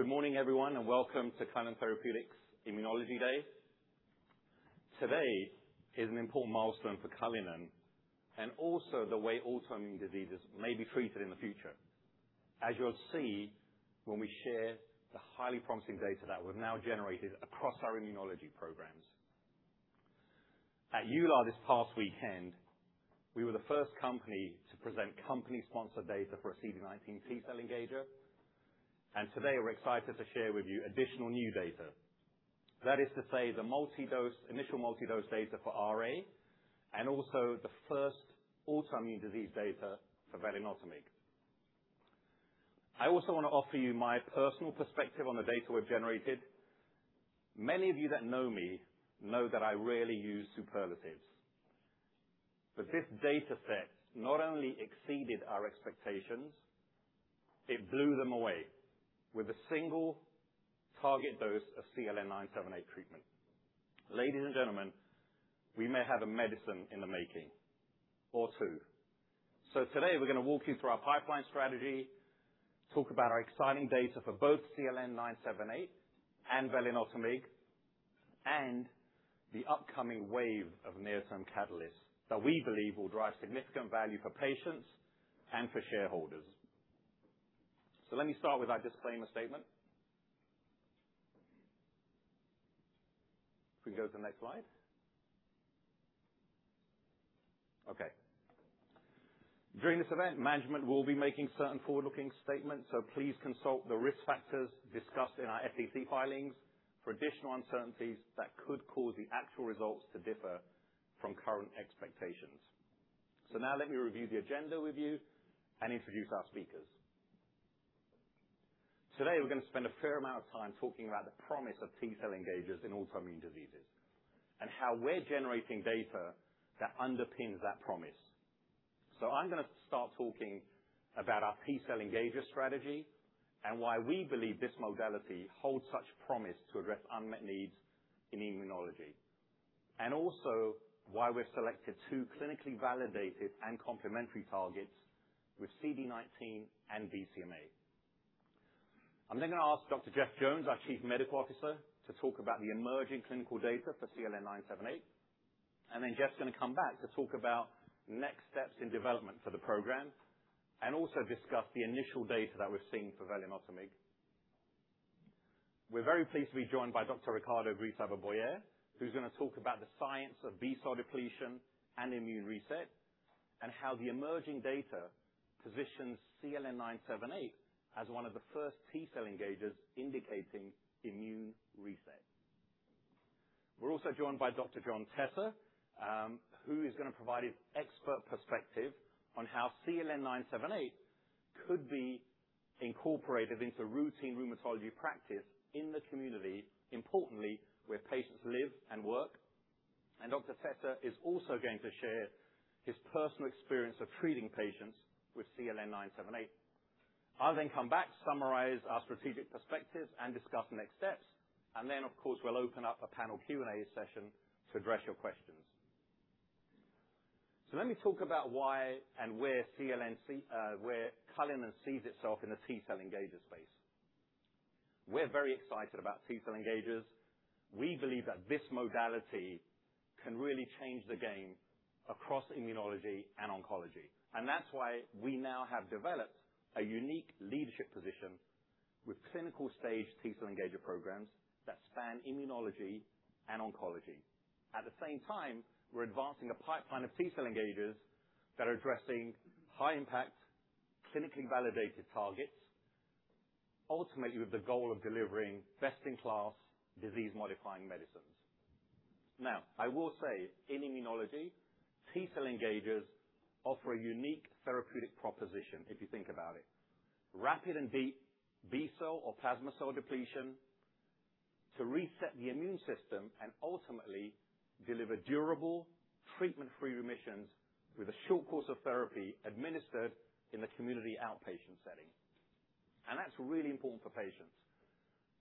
Good morning everyone, welcome to Cullinan Therapeutics Immunology Day. Today is an important milestone for Cullinan and also the way autoimmune diseases may be treated in the future, as you'll see when we share the highly promising data that we've now generated across our immunology programs. At EULAR this past weekend, we were the first company to present company-sponsored data for a CD19 T-cell engager. Today, we're excited to share with you additional new data. That is to say, the initial multi-dose data for RA and also the first autoimmune disease data for velinotamig. I also want to offer you my personal perspective on the data we've generated. Many of you that know me know that I rarely use superlatives. This data set not only exceeded our expectations, it blew them away with a single target dose of CLN-978 treatment. Ladies and gentlemen, we may have a medicine in the making or two. Today we're going to walk you through our pipeline strategy, talk about our exciting data for both CLN-978 and velinotamig, and the upcoming wave of near-term catalysts that we believe will drive significant value for patients and for shareholders. Let me start with our disclaimer statement. If we can go to the next slide. Okay. During this event, management will be making certain forward-looking statements, so please consult the risk factors discussed in our SEC filings for additional uncertainties that could cause the actual results to differ from current expectations. Now let me review the agenda with you and introduce our speakers. Today, we're going to spend a fair amount of time talking about the promise of T-cell engagers in autoimmune diseases and how we're generating data that underpins that promise. I'm going to start talking about our T-cell engager strategy and why we believe this modality holds such promise to address unmet needs in immunology. Also why we've selected two clinically validated and complementary targets with CD19 and BCMA. I'm going to ask Dr. Jeff Jones, our Chief Medical Officer, to talk about the emerging clinical data for CLN-978. Jeff's going to come back to talk about next steps in development for the program, and also discuss the initial data that we're seeing for velinotamig. We're very pleased to be joined by Dr. Ricardo Grieshaber-Bouyer, who's going to talk about the science of B-cell depletion and immune reset, and how the emerging data positions CLN-978 as one of the first T-cell engagers indicating immune reset. We're also joined by Dr. John Tesser, who is going to provide his expert perspective on how CLN-978 could be incorporated into routine rheumatology practice in the community, importantly, where patients live and work. Dr. Tesser is also going to share his personal experience of treating patients with CLN-978. I'll come back to summarize our strategic perspectives and discuss next steps. Of course, we'll open up a panel Q&A session to address your questions. Let me talk about why and where Cullinan sees itself in the T-cell engager space. We're very excited about T-cell engagers. We believe that this modality can really change the game across immunology and oncology. That's why we now have developed a unique leadership position with clinical stage T-cell engager programs that span immunology and oncology. At the same time, we're advancing a pipeline of T-cell engagers that are addressing high-impact, clinically validated targets, ultimately with the goal of delivering best-in-class disease-modifying medicines. I will say in immunology, T-cell engagers offer a unique therapeutic proposition if you think about it. Rapid B-cell or plasma-cell depletion to reset the immune system and ultimately deliver durable treatment-free remissions with a short course of therapy administered in the community outpatient setting. That's really important for patients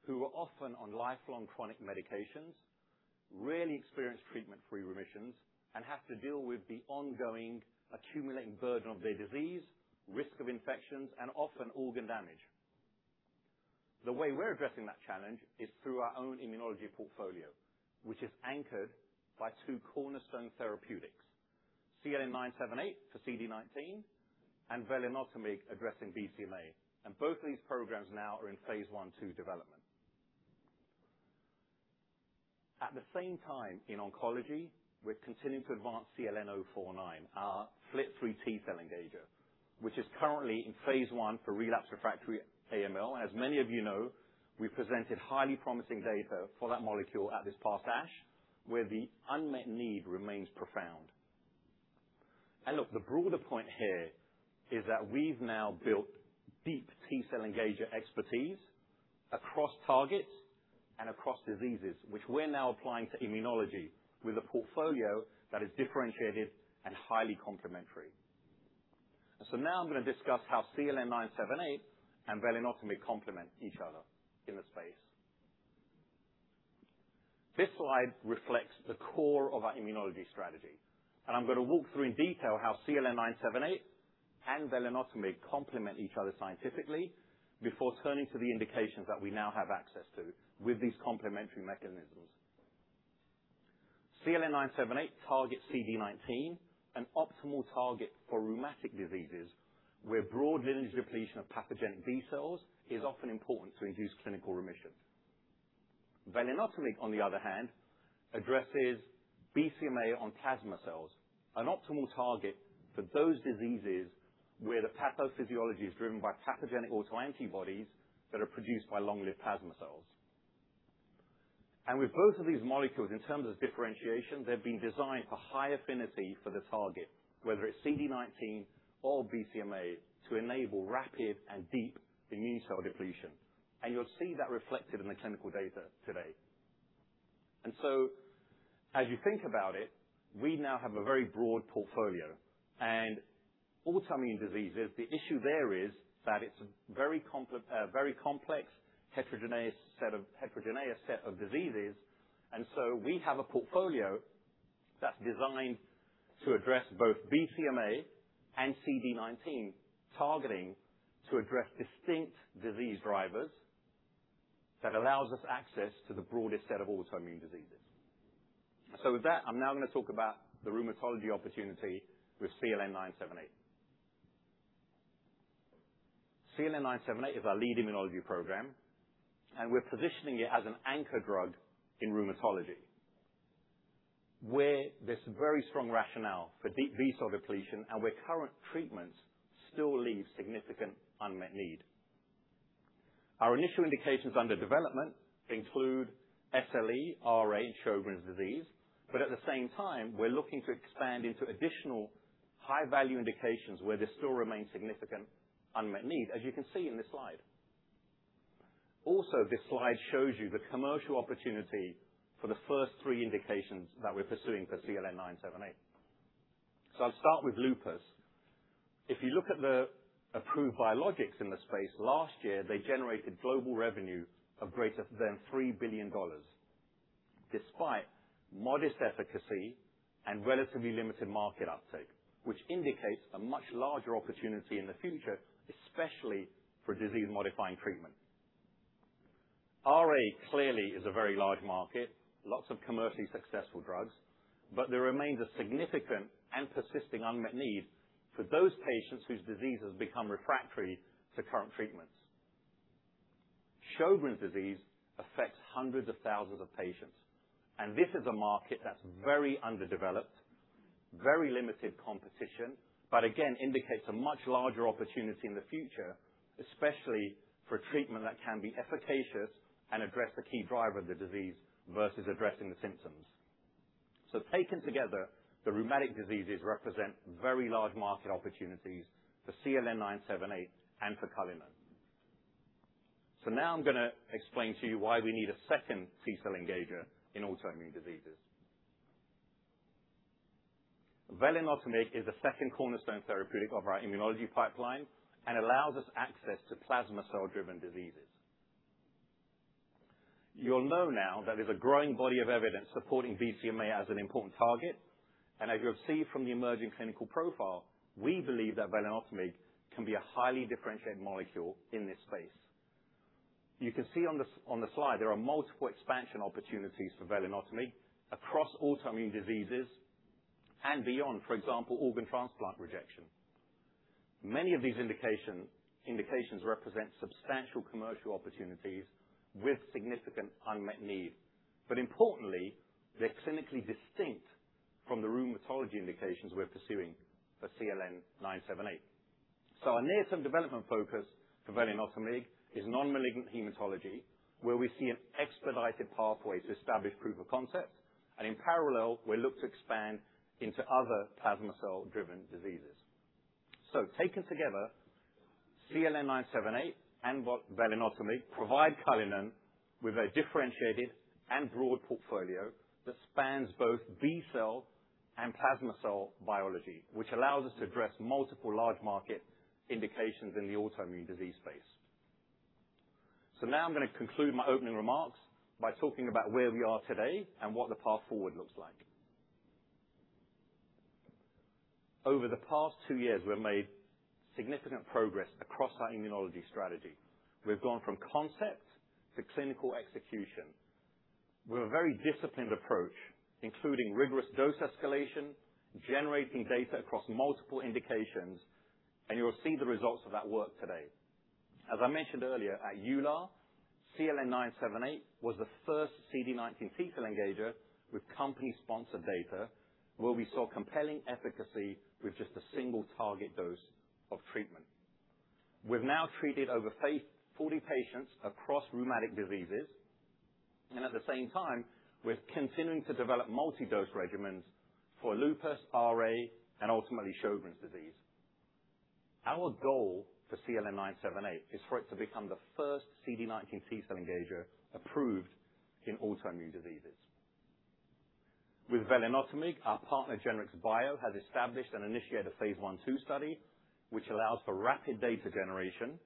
who are often on lifelong chronic medications, rarely experience treatment-free remissions, and have to deal with the ongoing accumulating burden of their disease, risk of infections, and often organ damage. The way we're addressing that challenge is through our own immunology portfolio, which is anchored by two cornerstone therapeutics. CLN-978 for CD19 and velinotamig addressing BCMA. Both of these programs now are in phase I/II development. At the same time, in oncology, we're continuing to advance CLN-049, our FLT3 T-cell engager, which is currently in phase I for relapse refractory AML. As many of you know, we presented highly promising data for that molecule at this past ASH, where the unmet need remains profound. Look, the broader point here is that we've now built deep T-cell engager expertise across targets and across diseases, which we're now applying to immunology with a portfolio that is differentiated and highly complementary. Now I'm going to discuss how CLN-978 and velinotamig complement each other in the space. This slide reflects the core of our immunology strategy. I'm going to walk through in detail how CLN-978 and velinotamig complement each other scientifically before turning to the indications that we now have access to with these complementary mechanisms. CLN-978 targets CD19, an optimal target for rheumatic diseases, where broad lineage depletion of pathogenic B cells is often important to induce clinical remission. Velinotamig, on the other hand, addresses BCMA on plasma cells, an optimal target for those diseases where the pathophysiology is driven by pathogenic autoantibodies that are produced by long-lived plasma cells. With both of these molecules in terms of differentiation, they've been designed for high affinity for the target, whether it's CD19 or BCMA, to enable rapid and deep immune cell depletion. You'll see that reflected in the clinical data today. As you think about it, we now have a very broad portfolio in autoimmune diseases, the issue there is that it's a very complex heterogeneous set of diseases. We have a portfolio that's designed to address both BCMA and CD19 targeting, to address distinct disease drivers that allows us access to the broadest set of autoimmune diseases. With that, I'm now going to talk about the rheumatology opportunity with CLN-978. CLN-978 is our lead immunology program, and we're positioning it as an anchor drug in rheumatology, where there's very strong rationale for B-cell depletion and where current treatments still leave significant unmet need. Our initial indications under development include SLE, RA, Sjögren's disease, but at the same time, we're looking to expand into additional high-value indications where there still remains significant unmet need, as you can see in this slide. This slide shows you the commercial opportunity for the first three indications that we're pursuing for CLN-978. I'll start with lupus. If you look at the approved biologics in this space, last year, they generated global revenue of greater than $3 billion, despite modest efficacy and relatively limited market uptake. Which indicates a much larger opportunity in the future, especially for disease-modifying treatment. RA clearly is a very large market, lots of commercially successful drugs, but there remains a significant and persisting unmet need for those patients whose disease has become refractory to current treatments. Sjögren's disease affects hundreds of thousands of patients, and this is a market that's very underdeveloped, very limited competition, but again, indicates a much larger opportunity in the future, especially for treatment that can be efficacious and address the key driver of the disease versus addressing the symptoms. Taken together, the rheumatic diseases represent very large market opportunities for CLN-978 and for Cullinan. Now I'm going to explain to you why we need a second T-cell engager in autoimmune diseases. Velinotamig is the second cornerstone therapeutic of our immunology pipeline and allows us access to plasma-cell-driven diseases. You'll know now that there's a growing body of evidence supporting BCMA as an important target. And as you'll see from the emerging clinical profile, we believe that velinotamig can be a highly differentiated molecule in this space. You can see on the slide, there are multiple expansion opportunities for velinotamig across autoimmune diseases and beyond. For example, organ transplant rejection. Many of these indications represent substantial commercial opportunities with significant unmet need. But importantly, they're clinically distinct from the rheumatology indications we're pursuing for CLN-978. Our near-term development focus for velinotamig is non-malignant hematology, where we see an expedited pathway to establish proof of concept. And in parallel, we look to expand into other plasma cell-driven diseases. Taken together, CLN-978 and velinotamig provide Cullinan with a differentiated and broad portfolio that spans both B-cell and plasma cell biology, which allows us to address multiple large market indications in the autoimmune disease space. Now I'm going to conclude my opening remarks by talking about where we are today and what the path forward looks like. Over the past two years, we've made significant progress across our immunology strategy. We've gone from concept to clinical execution with a very disciplined approach, including rigorous dose escalation, generating data across multiple indications, and you'll see the results of that work today. As I mentioned earlier, at EULAR, CLN-978 was the first CD19 T-cell engager with company-sponsored data where we saw compelling efficacy with just a single target dose of treatment. We've now treated over 40 patients across rheumatic diseases, and at the same time, we're continuing to develop multi-dose regimens for lupus, RA, and ultimately Sjögren's disease. Our goal for CLN-978 is for it to become the first CD19 T-cell engager approved in autoimmune diseases. With velinotamig, our partner, Genrix Bio, has established and initiated a phase I/II study, which allows for rapid data generation.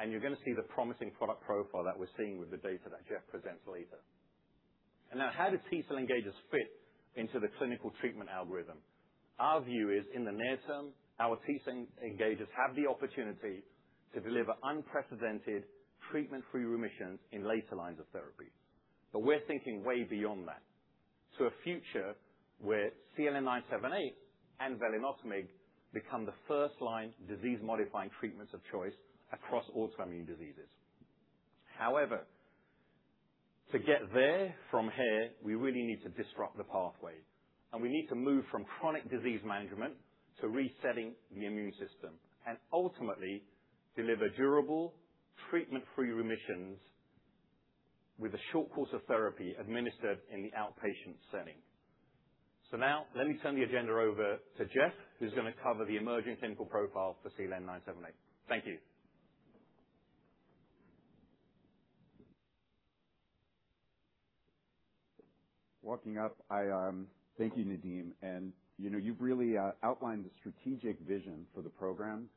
And you're going to see the promising product profile that we're seeing with the data that Jeff presents later. Now, how does T-cell engagers fit into the clinical treatment algorithm? Our view is, in the near-term, our T-cell engagers have the opportunity to deliver unprecedented treatment-free remissions in later lines of therapy. But we're thinking way beyond that to a future where CLN-978 and velinotamig become the first-line disease-modifying treatments of choice across autoimmune diseases. To get there from here, we really need to disrupt the pathway. We need to move from chronic disease management to resetting the immune system, ultimately deliver durable treatment-free remissions with a short course of therapy administered in the outpatient setting. Now let me turn the agenda over to Jeff, who's going to cover the emerging clinical profile for CLN-978. Thank you. Walking up. Thank you, Nadim. You've really outlined the strategic vision for the program,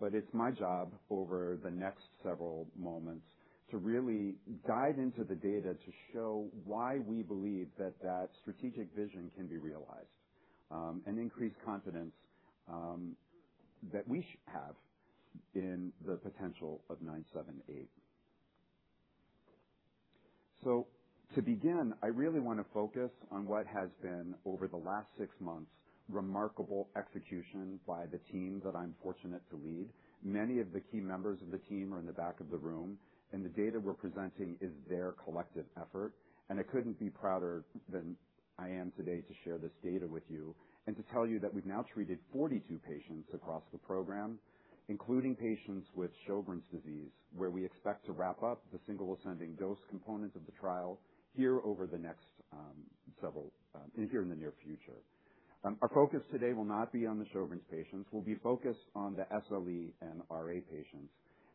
it's my job over the next several moments to really dive into the data to show why we believe that that strategic vision can be realized, increase confidence that we should have in the potential of CLN-978. To begin, I really want to focus on what has been, over the last six months, remarkable execution by the team that I'm fortunate to lead. Many of the key members of the team are in the back of the room, the data we're presenting is their collective effort. I couldn't be prouder than I am today to share this data with you, to tell you that we've now treated 42 patients across the program, including patients with Sjögren's disease, where we expect to wrap up the single ascending-dose component of the trial here in the near future. Our focus today will not be on the Sjögren's patients. We'll be focused on the SLE and RA patients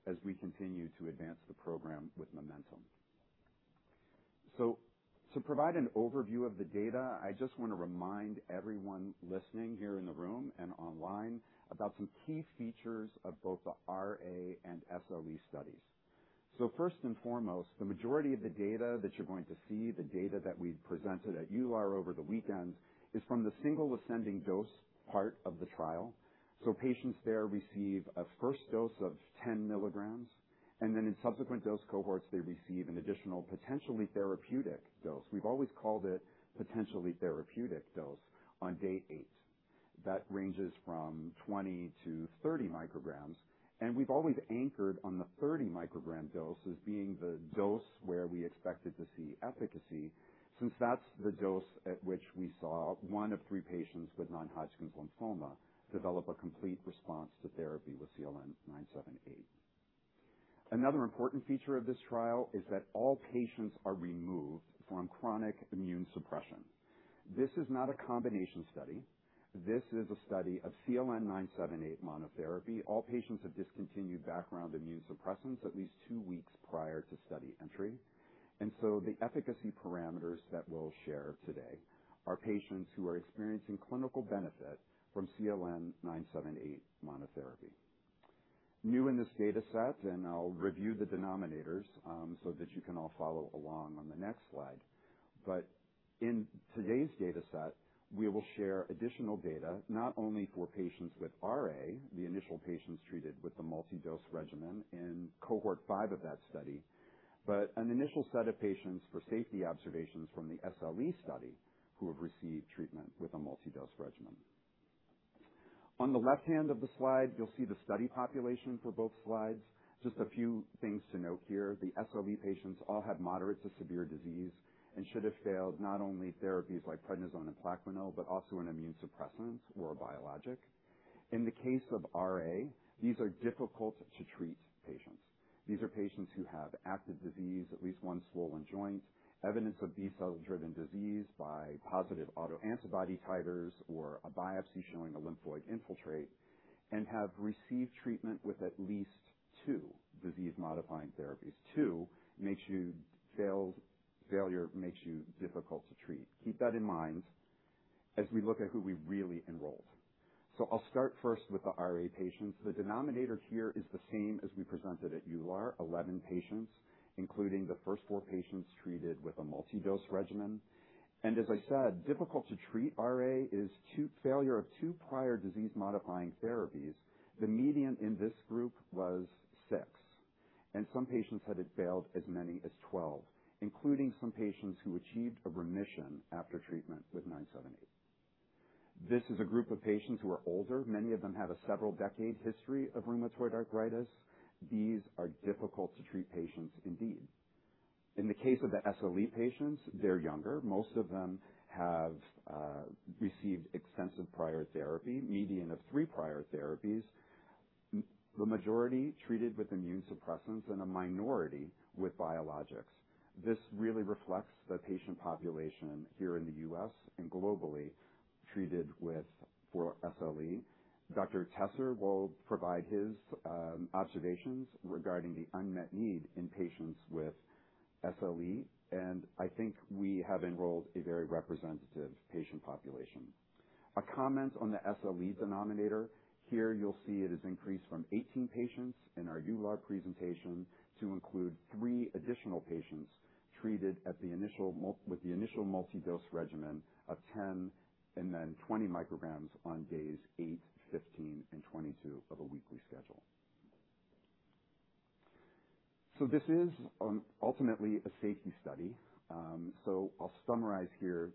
as we continue to advance the program with momentum. To provide an overview of the data, I just want to remind everyone listening here in the room and online about some key features of both the RA and SLE studies. First and foremost, the majority of the data that you're going to see, the data that we've presented at EULAR over the weekend, is from the single ascending dose part of the trial. Patients there receive a first dose of 10 mg, then in subsequent dose cohorts, they receive an additional potentially therapeutic dose. We've always called it potentially therapeutic dose on day eight. That ranges from 20 mcg-30 mcg. We've always anchored on the 30-mcg dose as being the dose where we expected to see efficacy, since that's the dose at which we saw one of three patients with non-Hodgkin's lymphoma develop a complete response to therapy with CLN-978. Another important feature of this trial is that all patients are removed from chronic immune suppression. This is not a combination study. This is a study of CLN-978 monotherapy. All patients have discontinued background immune suppressants at least two weeks prior to study entry. The efficacy parameters that we'll share today are patients who are experiencing clinical benefit from CLN-978 monotherapy. New in this data set, I'll review the denominators so that you can all follow along on the next slide. In today's data set, we will share additional data, not only for patients with RA, the initial patients treated with the multi-dose regimen in cohort 5 of that study, but an initial set of patients for safety observations from the SLE study who have received treatment with a multi-dose regimen. On the left hand of the slide, you'll see the study population for both slides. Just a few things to note here. The SLE patients all had moderate to severe disease and should have failed not only therapies like prednisone and PLAQUENIL, but also an immune suppressant or a biologic. In the case of RA, these are difficult-to-treat patients. These are patients who have active disease, at least one swollen joint, evidence of B-cell-driven disease by positive autoantibody titers or a biopsy showing a lymphoid infiltrate, and have received treatment with at least two disease-modifying therapies. Two failure makes you difficult-to-treat. Keep that in mind as we look at who we really enrolled. I'll start first with the RA patients. The denominator here is the same as we presented at EULAR, 11 patients, including the first four patients treated with a multi-dose regimen. As I said, difficult-to-treat RA is failure of two prior disease-modifying therapies. The median in this group was six, and some patients had failed as many as 12, including some patients who achieved a remission after treatment with CLN-978. This is a group of patients who are older. Many of them have a several-decade history of rheumatoid arthritis. These are difficult-to-treat patients indeed. In the case of the SLE patients, they're younger. Most of them have received extensive prior therapy, median of three prior therapies, the majority treated with immune suppressants and a minority with biologics. This really reflects the patient population here in the U.S. and globally treated for SLE. Dr. Tesser will provide his observations regarding the unmet need in patients with SLE, I think we have enrolled a very representative patient population. A comment on the SLE denominator. Here you'll see it has increased from 18 patients in our EULAR presentation to include three additional patients treated with the initial multi-dose regimen of 10 and then 20 mcg on days eight, 15, and 22 of a weekly schedule. This is ultimately a safety study. I'll summarize here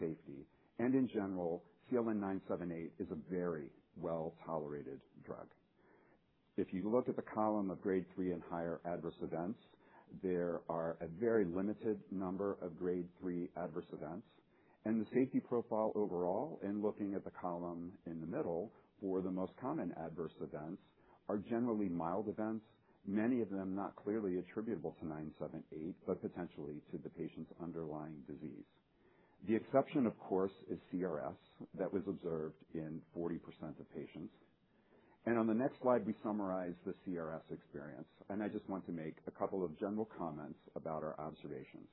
safety. In general, CLN-978 is a very well-tolerated drug. If you look at the column of grade 3 and higher adverse events, there are a very limited number of grade 3 adverse events. The safety profile overall, in looking at the column in the middle for the most common adverse events, are generally mild events, many of them not clearly attributable to CLN-978, but potentially to the patient's underlying disease. The exception, of course, is CRS. That was observed in 40% of patients. On the next slide, we summarize the CRS experience, and I just want to make a couple of general comments about our observations.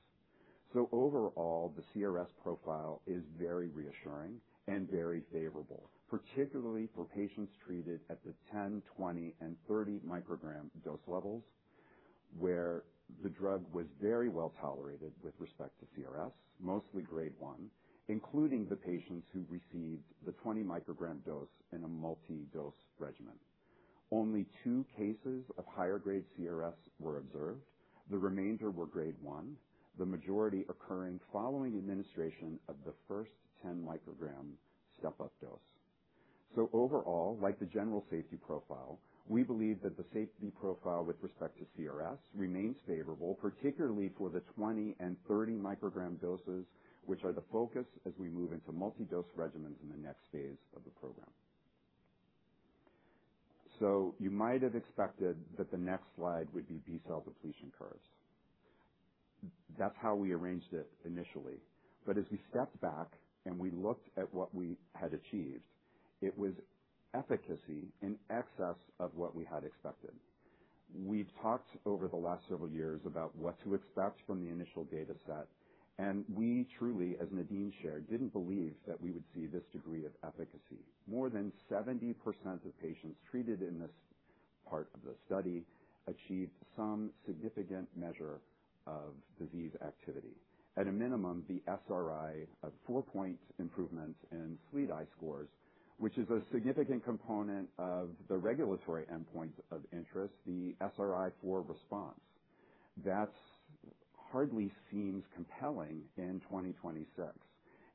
Overall, the CRS profile is very reassuring and very favorable, particularly for patients treated at the 10 mcg, 20 mcg, and 30 mcg-dose levels, where the drug was very well-tolerated with respect to CRS, mostly grade 1, including the patients who received the 20- mcg dose in a multi-dose regimen. Only two cases of higher grade CRS were observed. The remainder were grade 1, the majority occurring following administration of the first 10-mcg step-up dose. Overall, like the general safety profile, we believe that the safety profile with respect to CRS remains favorable, particularly for the 20 mcg and 30 mcg doses, which are the focus as we move into multi-dose regimens in the next phase of the program. You might have expected that the next slide would be B-cell depletion curves. That's how we arranged it initially. As we stepped back and we looked at what we had achieved, it was efficacy in excess of what we had expected. We've talked over the last several years about what to expect from the initial data set, and we truly, as Nadim shared, didn't believe that we would see this degree of efficacy. More than 70% of patients treated in this part of the study achieved some significant measure of disease activity. At a minimum, the SRI, a 4-point improvement in SLEDAI scores, which is a significant component of the regulatory endpoint of interest, the SRI for response. That hardly seems compelling in 2026,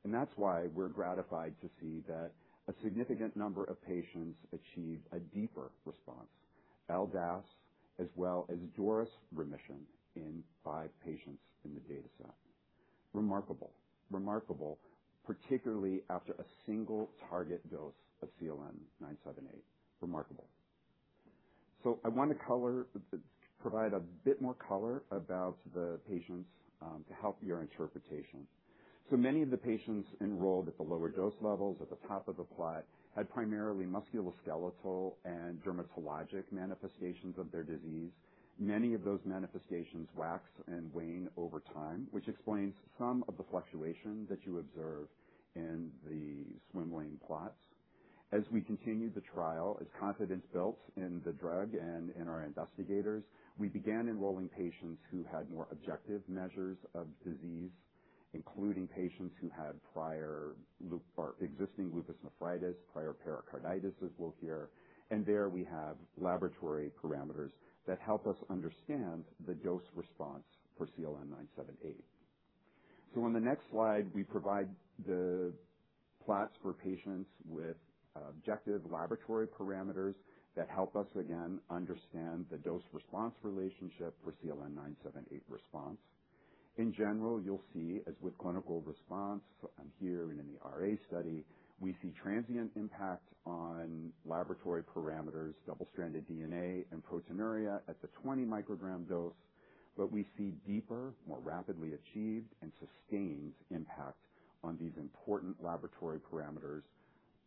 and that's why we're gratified to see that a significant number of patients achieve a deeper response. LDAS as well as DORIS remission in five patients in the data set. Remarkable. Remarkable, particularly after a single target dose of CLN-978. Remarkable. I want to provide a bit more color about the patients to help your interpretation. Many of the patients enrolled at the lower dose levels at the top of the plot had primarily musculoskeletal and dermatologic manifestations of their disease. Many of those manifestations wax and wane over time, which explains some of the fluctuation that you observe in the swimlane plots. As we continued the trial, as confidence built in the drug and in our investigators, we began enrolling patients who had more objective measures of disease, including patients who had prior existing lupus nephritis, prior pericarditis, as we'll hear, and there we have laboratory parameters that help us understand the dose response for CLN-978. On the next slide, we provide the plots for patients with objective laboratory parameters that help us again understand the dose-response relationship for CLN-978 response. In general, you'll see, as with clinical response here and in the RA study, we see transient impact on laboratory parameters, double-stranded DNA and proteinuria at the 20-mcg dose. We see deeper, more rapidly achieved and sustained impact on these important laboratory parameters,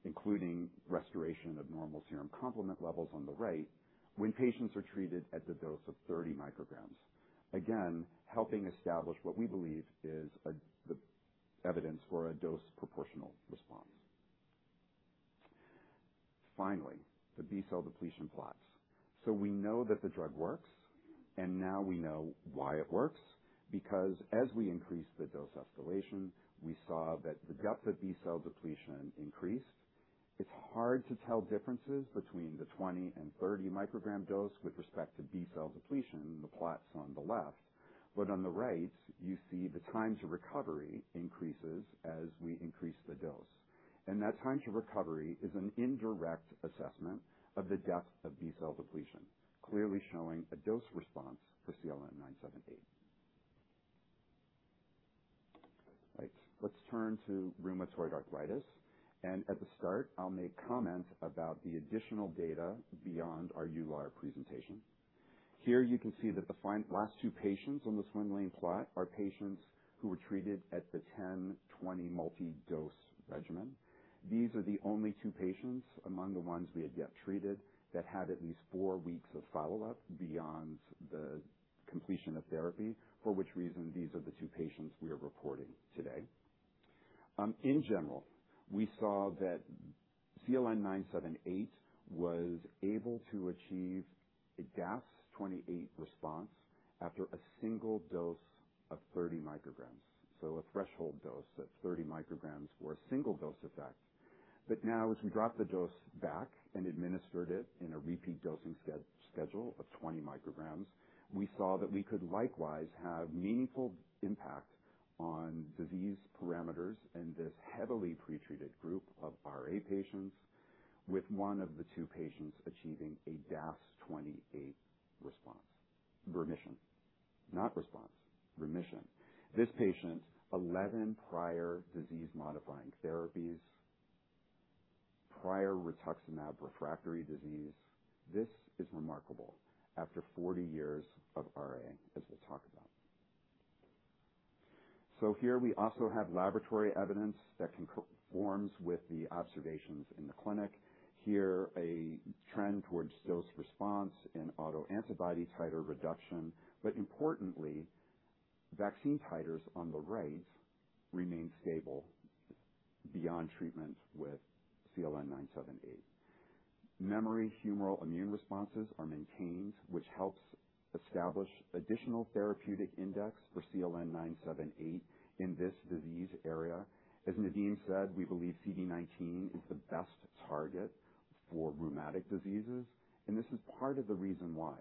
including restoration of normal serum complement levels on the right when patients are treated at the dose of 30 mcg. Again, helping establish what we believe is the evidence for a dose-proportional response. Finally, the B-cell depletion plots. We know that the drug works, and now we know why it works, because as we increased the dose escalation, we saw that the depth of B-cell depletion increased. It's hard to tell differences between the 20 mcg and 30 mcg dose with respect to B-cell depletion in the plots on the left. On the right, you see the time to recovery increases as we increase the dose. That time to recovery is an indirect assessment of the depth of B-cell depletion, clearly showing a dose response for CLN-978. Right. Let's turn to rheumatoid arthritis. At the start, I'll make comment about the additional data beyond our EULAR presentation. Here you can see that the last two patients on the swimlane plot are patients who were treated at the 10, 20 multi-dose regimen. These are the only two patients among the ones we had yet treated that had at least four weeks of follow-up beyond the completion of therapy, for which reason these are the two patients we are reporting today. In general, we saw that CLN-978 was able to achieve a DAS28 response after a single dose of 30 mcg. A threshold dose of 30 mcg or a single-dose effect. Now as we drop the dose back and administered it in a repeat dosing schedule of 20 mcg, we saw that we could likewise have meaningful impact on disease parameters in this heavily pretreated group of RA patients with one of the two patients achieving a DAS28 response. Remission, not response. Remission. This patient, 11 prior disease-modifying therapies, prior rituximab refractory disease. This is remarkable after 40 years of RA, as we'll talk about. Here we also have laboratory evidence that conforms with the observations in the clinic. Here, a trend towards dose response in autoantibody titer reduction, but importantly, vaccine titers on the right remain stable beyond treatment with CLN-978. Memory humoral immune responses are maintained, which helps establish additional therapeutic index for CLN-978 in this disease area. As Nadim said, we believe CD19 is the best target for rheumatic diseases, and this is part of the reason why.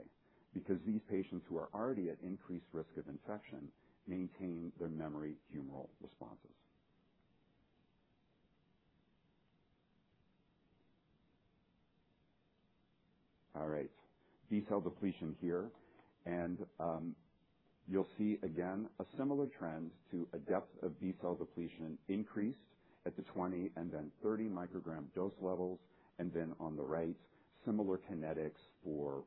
Because these patients who are already at increased risk of infection maintain their memory humoral responses. All right, B-cell depletion here. You'll see again a similar trend to a depth of B-cell depletion increased at the 20 mcg and then 30-mcg-dose levels. Then on the right, similar kinetics for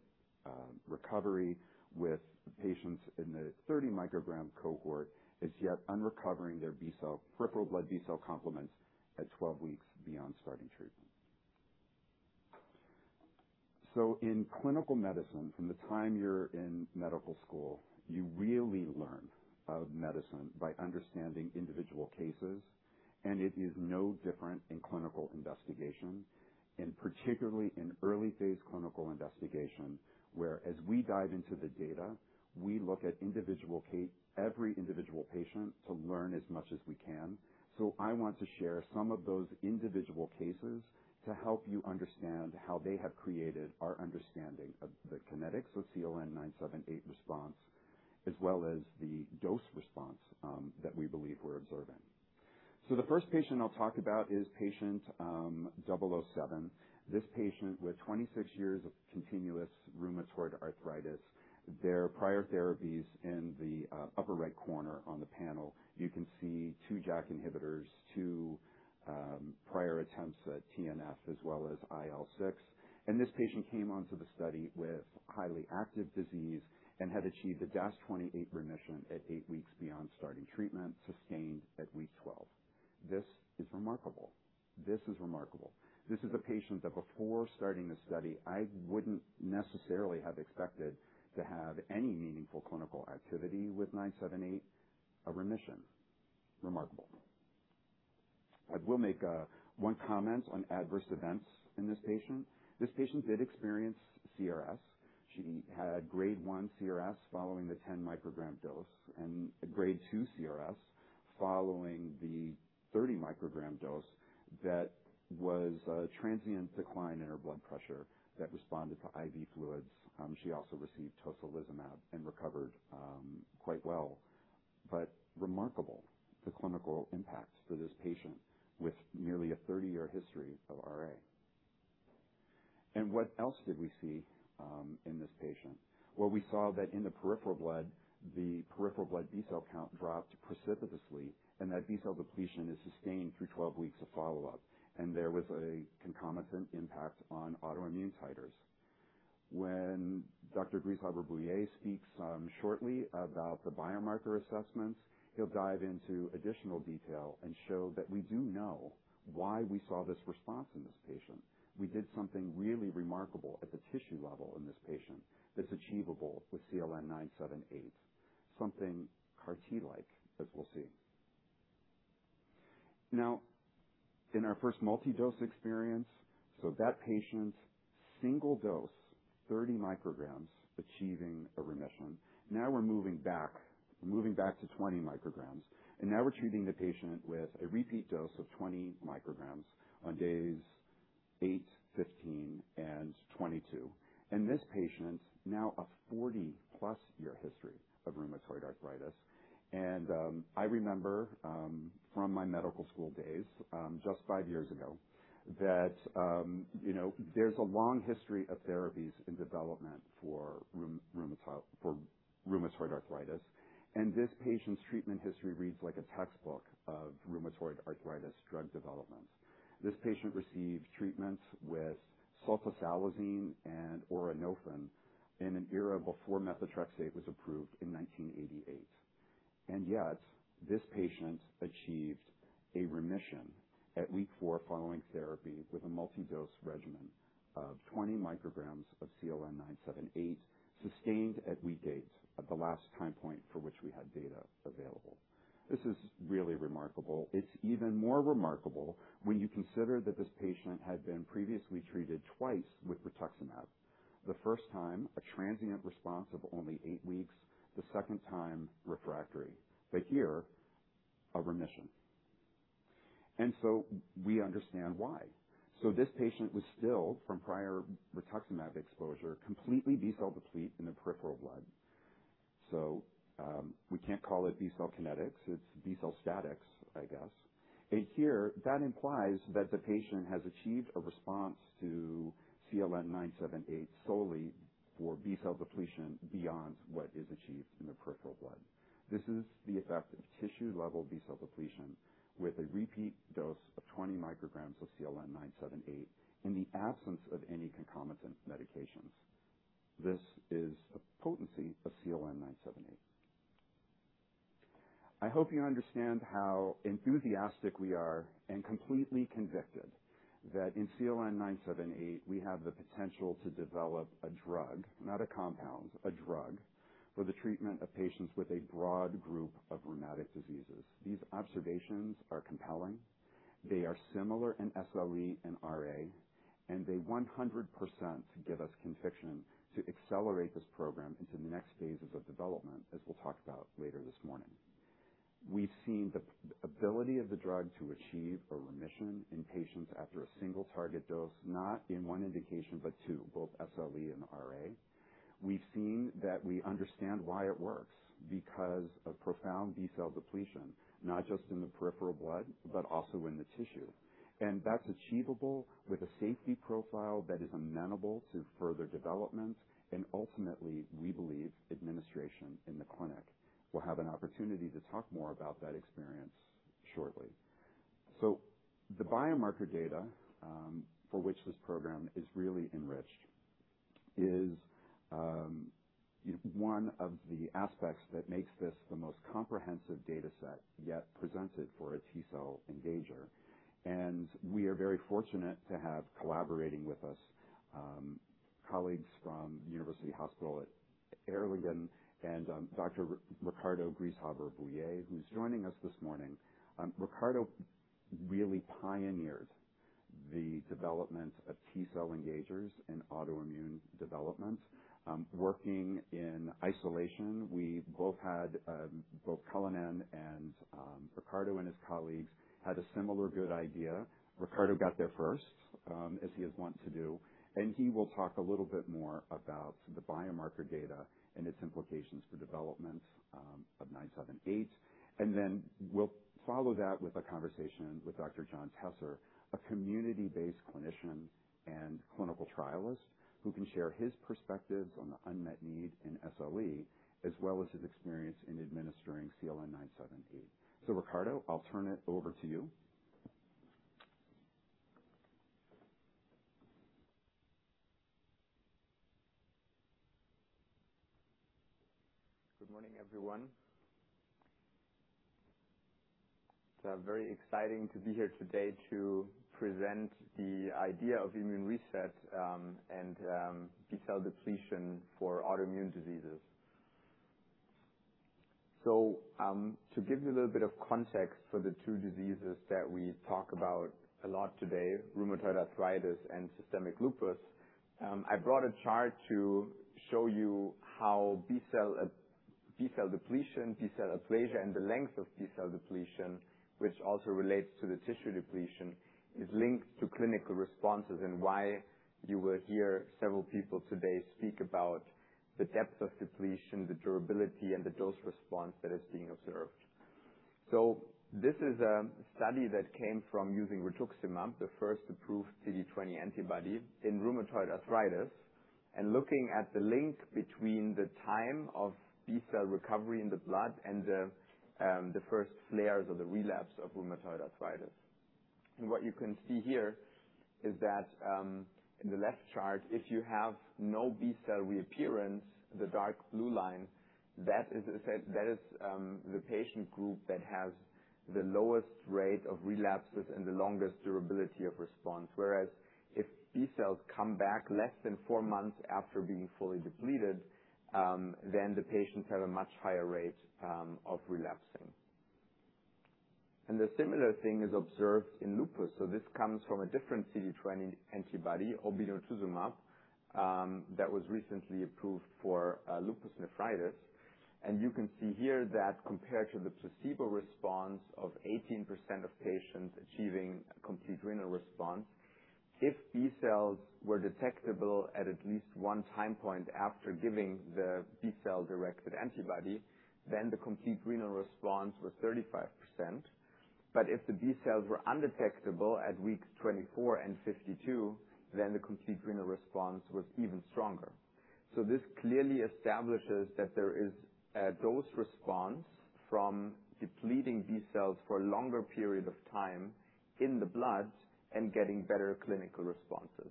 recovery with patients in the 30 mcg cohort as yet un-recovering their peripheral blood B-cell complements at 12 weeks beyond starting treatment. In clinical medicine, from the time you're in medical school, you really learn medicine by understanding individual cases, and it is no different in clinical investigation. Particularly in early phase clinical investigation, where as we dive into the data, we look at every individual patient to learn as much as we can. I want to share some of those individual cases to help you understand how they have created our understanding of the kinetics of CLN-978 response, as well as the dose response that we believe we're observing. The first patient I'll talk about is patient 007. This patient with 26 years of continuous rheumatoid arthritis. Their prior therapies in the upper right corner on the panel, you can see two JAK inhibitors, two prior attempts at TNF inhibitors as well as IL-6 inhibitors. This patient came onto the study with highly active disease and had achieved a DAS28 remission at eight weeks beyond starting treatment, sustained at week 12. This is remarkable. This is remarkable. This is a patient that before starting the study, I wouldn't necessarily have expected to have any meaningful clinical activity with CLN-978, a remission. Remarkable. I will make one comment on adverse events in this patient. This patient did experience CRS. She had grade 1 CRS following the 10-mcg dose and a grade 2 CRS following the 30-mcg dose that was a transient decline in her blood pressure that responded to IV fluids. She also received tocilizumab and recovered quite well, but remarkable the clinical impacts for this patient with nearly a 30-year history of RA. What else did we see in this patient? We saw that in the peripheral blood, the peripheral blood B-cell count dropped precipitously, and that B-cell depletion is sustained through 12 weeks of follow-up. There was a concomitant impact on autoimmune titers. When Dr. Grieshaber-Bouyer speaks shortly about the biomarker assessments, he'll dive into additional detail and show that we do know why we saw this response in this patient. We did something really remarkable at the tissue level in this patient that's achievable with CLN-978, something CAR T-like as we'll see. Now, in our first multi-dose experience, so that patient's single dose, 30 mcg achieving a remission. Now we're moving back to 20 mcg, and now we're treating the patient with a repeat dose of 20 mcg on days eight, 15, and 22. This patient now a 40+ year history of rheumatoid arthritis. I remember from my medical school days, just five years ago, that there's a long history of therapies in development for rheumatoid arthritis. This patient's treatment history reads like a textbook of rheumatoid arthritis drug development. This patient received treatments with sulfasalazine and auranofin in an era before methotrexate was approved in 1988. This patient achieved a remission at week four following therapy with a multi-dose regimen of 20 mcg of CLN-978, sustained at week eight at the last time point for which we had data available. This is really remarkable. It's even more remarkable when you consider that this patient had been previously treated twice with rituximab. The first time, a transient response of only eight weeks, the second time, refractory. Here, a remission. We understand why. This patient was still, from prior rituximab exposure, completely B-cell deplete in the peripheral blood. We can't call it B-cell kinetics, it's B-cell statics, I guess. Here, that implies that the patient has achieved a response to CLN-978 solely for B-cell depletion beyond what is achieved in the peripheral blood. This is the effect of tissue-level B-cell depletion with a repeat dose of 20 mcg of CLN-978 in the absence of any concomitant medications. This is a potency of CLN-978. I hope you understand how enthusiastic we are and completely convicted that in CLN-978 we have the potential to develop a drug, not a compound, a drug, for the treatment of patients with a broad group of rheumatic diseases. These observations are compelling. They are similar in SLE and RA. They 100% give us conviction to accelerate this program into the next phases of development, as we'll talk about later this morning. We've seen the ability of the drug to achieve a remission in patients after a single target dose, not in one indication, but two, both SLE and RA. We've seen that we understand why it works, because of profound B-cell depletion, not just in the peripheral blood, but also in the tissue. That's achievable with a safety profile that is amenable to further development, and ultimately, we believe administration in the clinic. We'll have an opportunity to talk more about that experience shortly. The biomarker data, for which this program is really enriched is one of the aspects that makes this the most comprehensive data set yet presented for a T-cell engager. We are very fortunate to have collaborating with us, colleagues from University Hospital Erlangen and Dr. Ricardo Grieshaber-Bouyer, who's joining us this morning. Ricardo really pioneered the development of T-cell engagers in autoimmune development, working in isolation. We both had, both Cullinan and Ricardo and his colleagues, had a similar good idea. Ricardo got there first, as he is want to do, he will talk a little bit more about the biomarker data and its implications for development of CLN-978. Then we'll follow that with a conversation with Dr. John Tesser, a community-based clinician and clinical trialist who can share his perspectives on the unmet need in SLE, as well as his experience in administering CLN-978. Ricardo, I'll turn it over to you. Good morning, everyone. It's very exciting to be here today to present the idea of immune reset, and B-cell depletion for autoimmune diseases. To give you a little bit of context for the two diseases that we talk about a lot today, rheumatoid arthritis and systemic lupus, I brought a chart to show you how B-cell depletion, B-cell aplasia, and the length of B-cell depletion, which also relates to the tissue depletion, is linked to clinical responses and why you will hear several people today speak about the depth of depletion, the durability, and the dose response that is being observed. This is a study that came from using rituximab, the first-approved CD20 antibody in rheumatoid arthritis, and looking at the link between the time of B-cell recovery in the blood and the first flares or the relapse of rheumatoid arthritis. What you can see here is that, in the left chart, if you have no B-cell reappearance, the dark blue line, that is the patient group that has the lowest rate of relapses and the longest durability of response. Whereas if B cells come back less than four months after being fully depleted, the patients have a much higher rate of relapsing. The similar thing is observed in lupus. This comes from a different CD20 antibody, obinutuzumab, that was recently approved for lupus nephritis. You can see here that compared to the placebo response of 18% of patients achieving complete renal response, if B cells were detectable at at least one time point after giving the B-cell-directed antibody, the complete renal response was 35%. If the B cells were undetectable at weeks 24 and 52, the complete renal response was even stronger. This clearly establishes that there is a dose response from depleting B cells for a longer period of time in the blood and getting better clinical responses.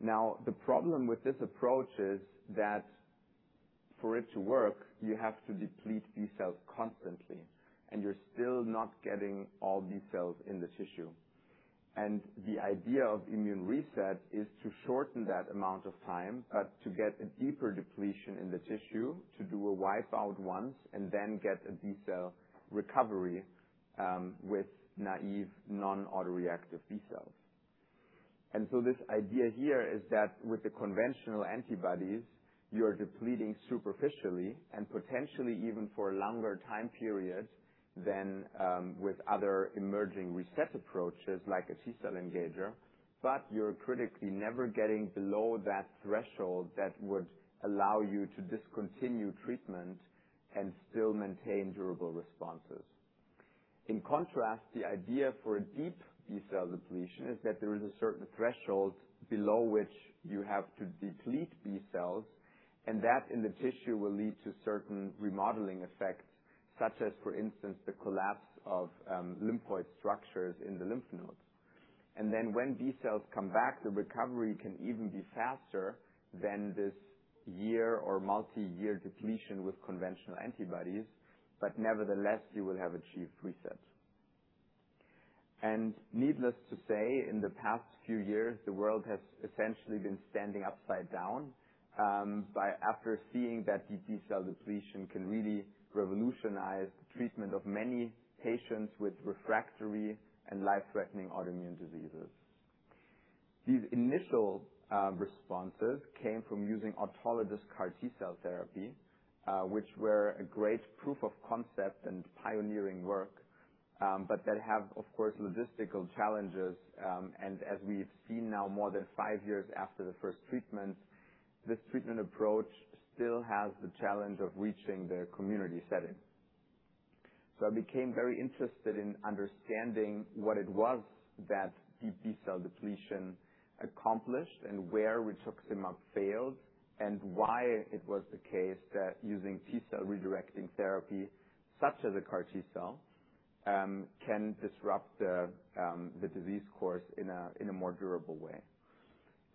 The problem with this approach is that for it to work, you have to deplete B cells constantly, and you're still not getting all B cells in the tissue. The idea of immune reset is to shorten that amount of time, but to get a deeper depletion in the tissue, to do a wipe out once, and then get a B-cell recovery with naive non-autoreactive B cells. This idea here is that with the conventional antibodies, you're depleting superficially and potentially even for longer time periods than with other emerging reset approaches like a T-cell engager, but you're critically never getting below that threshold that would allow you to discontinue treatment and still maintain durable responses. In contrast, the idea for a deep B-cell depletion is that there is a certain threshold below which you have to deplete B cells, and that in the tissue will lead to certain remodeling effects, such as, for instance, the collapse of lymphoid structures in the lymph nodes. Then when B cells come back, the recovery can even be faster than this year or multi-year depletion with conventional antibodies. Nevertheless, you will have achieved reset. Needless to say, in the past few years, the world has essentially been standing upside down after seeing that deep B-cell depletion can really revolutionize the treatment of many patients with refractory and life-threatening autoimmune diseases. These initial responses came from using autologous CAR T-cell therapy, which were a great proof of concept and pioneering work, but that have, of course, logistical challenges. As we've seen now more than five years after the first treatment, this treatment approach still has the challenge of reaching the community setting. I became very interested in understanding what it was that deep B-cell depletion accomplished and where rituximab failed, and why it was the case that using T-cell redirecting therapy such as a CAR T-cell can disrupt the disease course in a more durable way.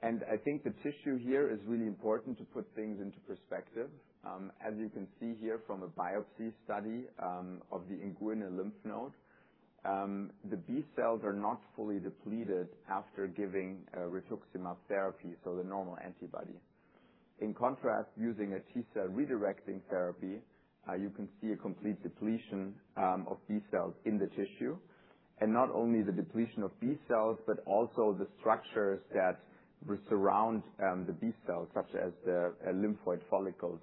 I think the tissue here is really important to put things into perspective. As you can see here from a biopsy study of the inguinal lymph node, the B cells are not fully depleted after giving rituximab therapy, the normal antibody. In contrast, using a T-cell redirecting therapy, you can see a complete depletion of B cells in the tissue. Not only the depletion of B cells, but also the structures that surround the B cells, such as the lymphoid follicles,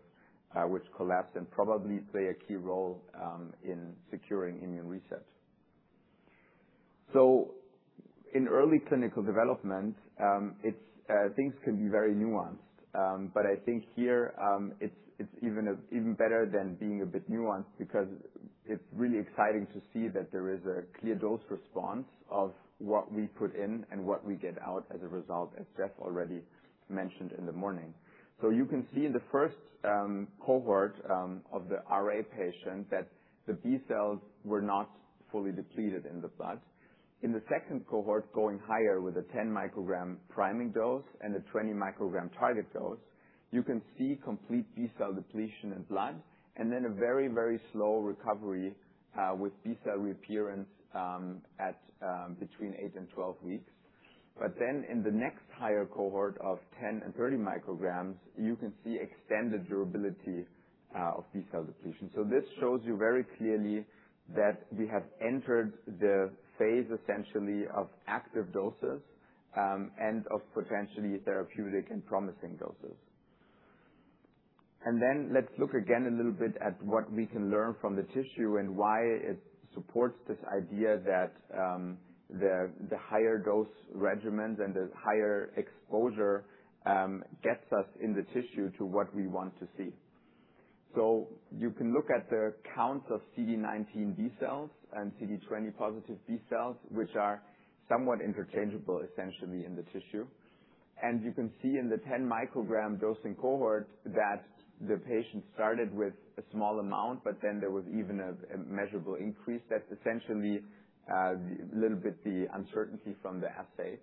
which collapse and probably play a key role in securing immune reset. In early clinical development, things can be very nuanced. I think here, it's even better than being a bit nuanced because it's really exciting to see that there is a clear dose response of what we put in and what we get out as a result, as Jeff already mentioned in the morning. You can see in the first cohort of the RA patient that the B cells were not fully depleted in the blood. In the second cohort, going higher with a 10-mcg priming dose and a 20-mcg target dose, you can see complete B-cell depletion in blood, and then a very, very slow recovery with B-cell reappearance at between eight and 12 weeks. In the next higher cohort of 10 mcg and 30 mcg, you can see extended durability of B-cell depletion. This shows you very clearly that we have entered the phase, essentially, of active doses and of potentially therapeutic and promising doses. Let's look again a little bit at what we can learn from the tissue and why it supports this idea that the higher dose regimens and the higher exposure gets us in the tissue to what we want to see. You can look at the count of CD19 B cells and CD20 positive B cells, which are somewhat interchangeable, essentially, in the tissue. You can see in the 10-mcg dosing cohort that the patient started with a small amount, but then there was even a measurable increase that's essentially a little bit the uncertainty from the assay.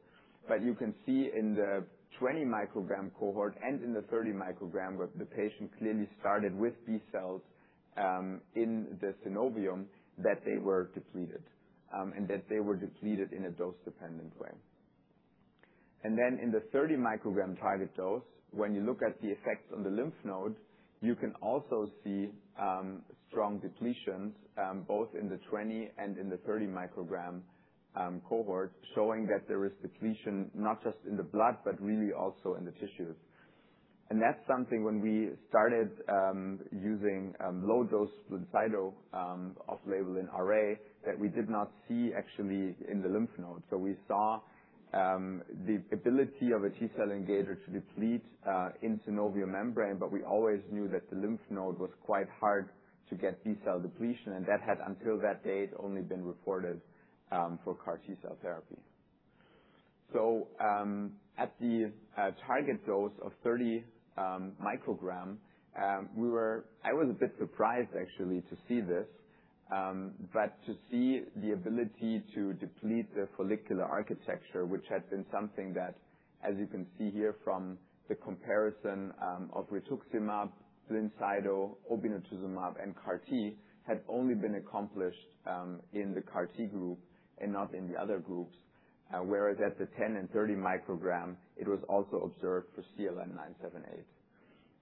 You can see in the 20-mcg cohort and in the 30 mcg where the patient clearly started with B cells in the synovium, that they were depleted, and that they were depleted in a dose-dependent way. In the 30-mcg target dose, when you look at the effects on the lymph node, you can also see strong depletions, both in the 20-mcg and in the 30-mcg cohort, showing that there is depletion, not just in the blood, but really also in the tissues. That's something when we started using low-dose Blincyto off-label in RA that we did not see actually in the lymph node. We saw the ability of a T-cell engager to deplete in synovial membrane, but we always knew that the lymph node was quite hard to get B-cell depletion, and that had, until that date, only been reported for CAR T-cell therapy. At the target dose of 30 mcg, I was a bit surprised actually to see this. To see the ability to deplete the follicular architecture, which had been something that, as you can see here from the comparison of rituximab, Blincyto, obinutuzumab, and CAR T, had only been accomplished in the CAR T group and not in the other groups. Whereas at the 10 mcg and 30 mcg, it was also observed for CLN-978.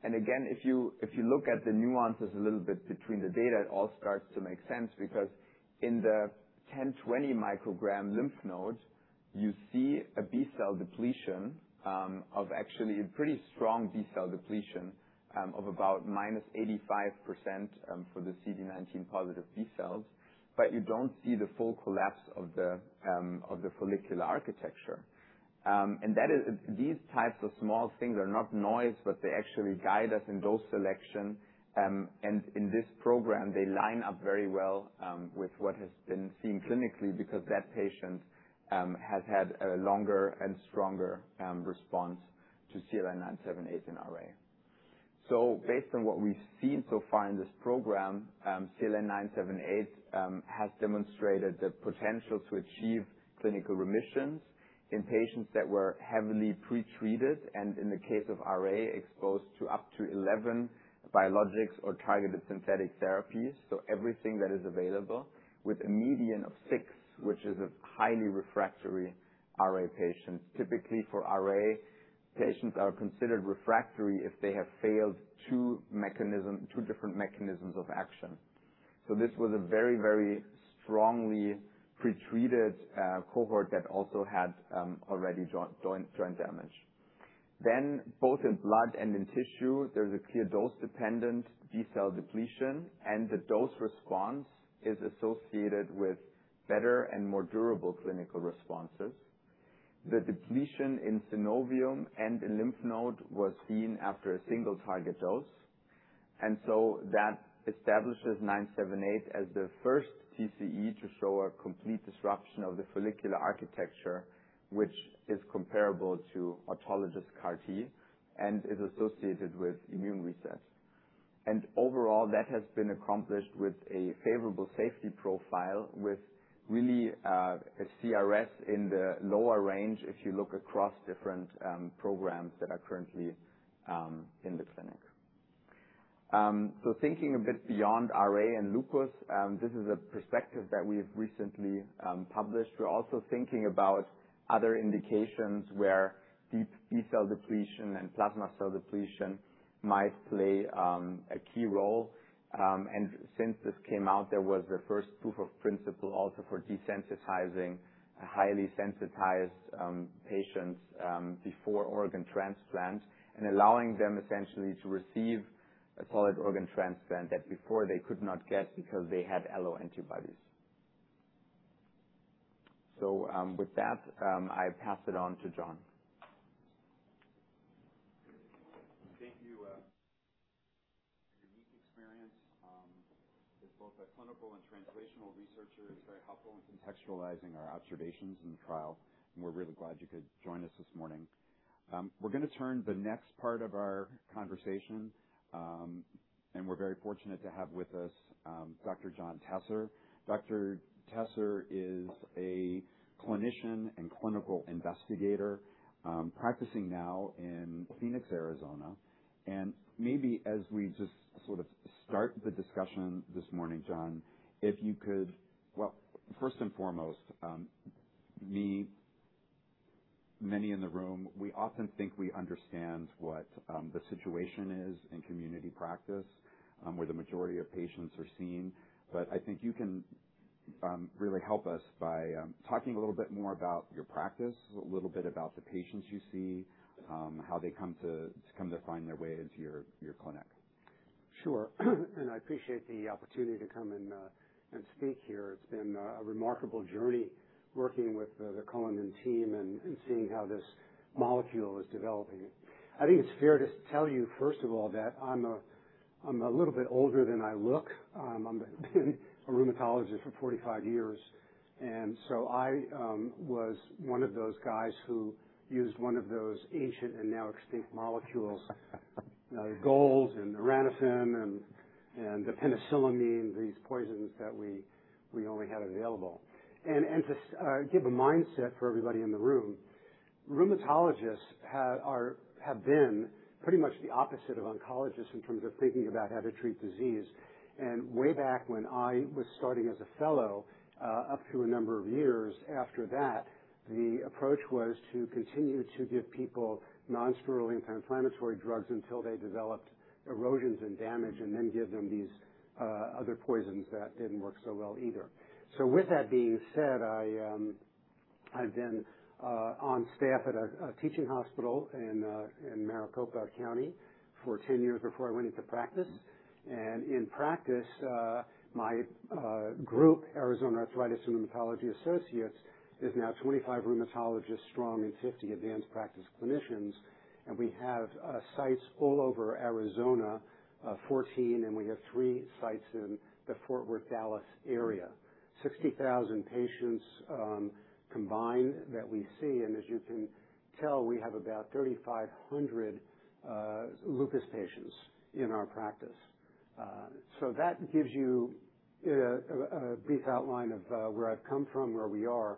Again, if you look at the nuances a little bit between the data, it all starts to make sense because in the 10-mcg, 20-mcg lymph node, you see a B-cell depletion of actually a pretty strong B-cell depletion of about -85% for the CD19 positive B-cells. You don't see the full collapse of the follicular architecture. These types of small things are not noise, but they actually guide us in dose selection. In this program, they line up very well with what has been seen clinically because that patient has had a longer and stronger response to CLN-978 in RA. Based on what we have seen so far in this program, CLN-978 has demonstrated the potential to achieve clinical remissions in patients that were heavily pre-treated, and in the case of RA, exposed to up to 11 biologics or targeted synthetic therapies, everything that is available, with a median of six, which is a highly refractory RA patient. Typically for RA, patients are considered refractory if they have failed two different mechanisms of action. This was a very strongly pre-treated cohort that also had already joint damage. Both in blood and in tissue, there is a clear dose-dependent B-cell depletion, and the dose response is associated with better and more durable clinical responses. The depletion in synovium and in lymph node was seen after a single target dose. That establishes CLN-978 as the first TCE to show a complete disruption of the follicular architecture, which is comparable to autologous CAR T and is associated with immune recess. Overall, that has been accomplished with a favorable safety profile with really a CRS in the lower range if you look across different programs that are currently in the clinic. Thinking a bit beyond RA and lupus, this is a perspective that we have recently published. We are also thinking about other indications where deep B-cell depletion and plasma cell depletion might play a key role. Since this came out, there was the first proof of principle also for desensitizing highly sensitized patients before organ transplant and allowing them essentially to receive a solid organ transplant that before they could not get because they had alloantibodies. With that, I pass it on to John. Thank you. Your unique experience, as both a clinical and translational researcher is very helpful in contextualizing our observations in the trial, and we are really glad you could join us this morning. We are going to turn to the next part of our conversation, and we are very fortunate to have with us Dr. John Tesser. Dr. Tesser is a clinician and clinical investigator, practicing now in Phoenix, Arizona. Maybe as we just sort of start the discussion this morning, John, first and foremost, many in the room, we often think we understand what the situation is in community practice, where the majority of patients are seen. I think you can really help us by talking a little bit more about your practice, a little bit about the patients you see, how they come to find their way into your clinic. Sure. I appreciate the opportunity to come and speak here. It has been a remarkable journey working with the Cullinan team and seeing how this molecule is developing. I think it is fair to tell you, first of all, that I am a little bit older than I look. I have been a rheumatologist for 45 years, I was one of those guys who used one of those ancient and now extinct molecules. Golds and Aranesp and the penicillamine, these poisons that we only had available. To give a mindset for everybody in the room, rheumatologists have been pretty much the opposite of oncologists in terms of thinking about how to treat disease. Way back when I was starting as a fellow, up to a number of years after that, the approach was to continue to give people non-steroid and anti-inflammatory drugs until they developed erosions and damage, then give them these other poisons that didn't work so well either. With that being said, I've been on staff at a teaching hospital in Maricopa County for 10 years before I went into practice. In practice, my group, Arizona Arthritis & Rheumatology Associates, is now 25 rheumatologists strong and 50 advanced practice clinicians. We have sites all over Arizona, 14, and we have three sites in the Fort Worth, Dallas area. 60,000 patients combined that we see, and as you can tell, we have about 3,500 lupus patients in our practice. That gives you a brief outline of where I've come from, where we are.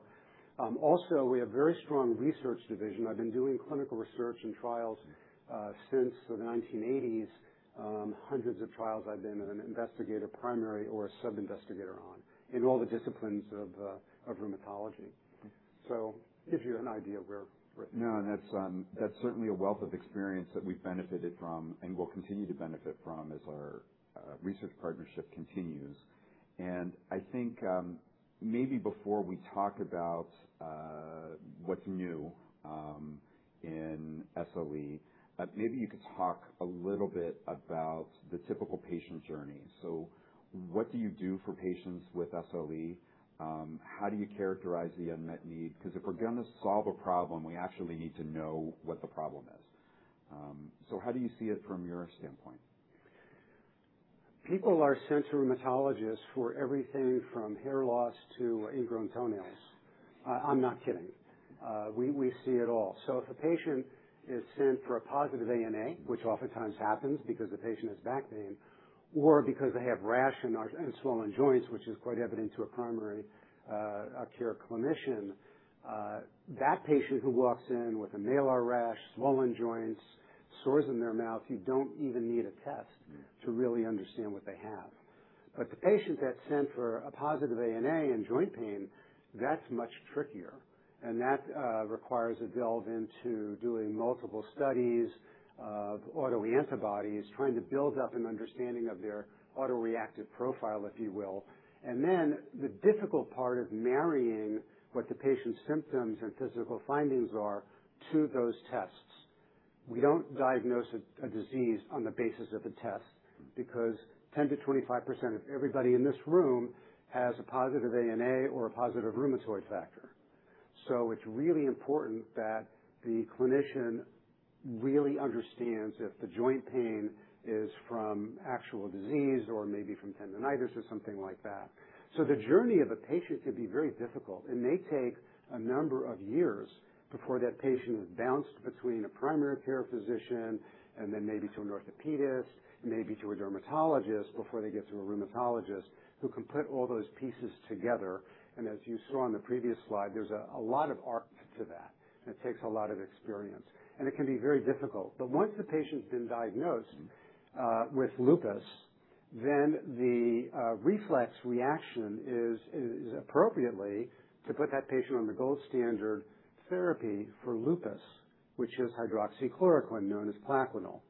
Also, we have very strong research division. I've been doing clinical research and trials since the 1980s, hundreds of trials I've been an investigator primary or a sub-investigator on, in all the disciplines of rheumatology. Gives you an idea where we're at. No, that's certainly a wealth of experience that we've benefited from and will continue to benefit from as our research partnership continues. I think maybe before we talk about what's new in SLE, maybe you could talk a little bit about the typical patient journey. What do you do for patients with SLE? How do you characterize the unmet need? Because if we're going to solve a problem, we actually need to know what the problem is. How do you see it from your standpoint? People are sent to rheumatologists for everything from hair loss to ingrown toenails. I'm not kidding. We see it all. If a patient is sent for a positive ANA, which oftentimes happens because the patient has back pain or because they have rash and swollen joints, which is quite evident to a primary care clinician, that patient who walks in with a malar rash, swollen joints, sores in their mouth, you don't even need a test to really understand what they have. The patient that's sent for a positive ANA and joint pain, that's much trickier. That requires a delve into doing multiple studies of autoantibodies, trying to build up an understanding of their autoreactive profile, if you will. Then the difficult part of marrying what the patient's symptoms and physical findings are to those tests. We don't diagnose a disease on the basis of a test because 10%-25% of everybody in this room has a positive ANA or a positive rheumatoid factor. It's really important that the clinician really understands if the joint pain is from actual disease or maybe from tendonitis or something like that. The journey of a patient can be very difficult and may take a number of years before that patient has bounced between a primary care physician and then maybe to an orthopedist, maybe to a dermatologist before they get to a rheumatologist who can put all those pieces together, and as you saw on the previous slide, there's a lot of art to that, and it takes a lot of experience. It can be very difficult. Once the patient's been diagnosed with lupus, then the reflex reaction is appropriately to put that patient on the gold standard therapy for lupus, which is hydroxychloroquine, known as PLAQUENIL.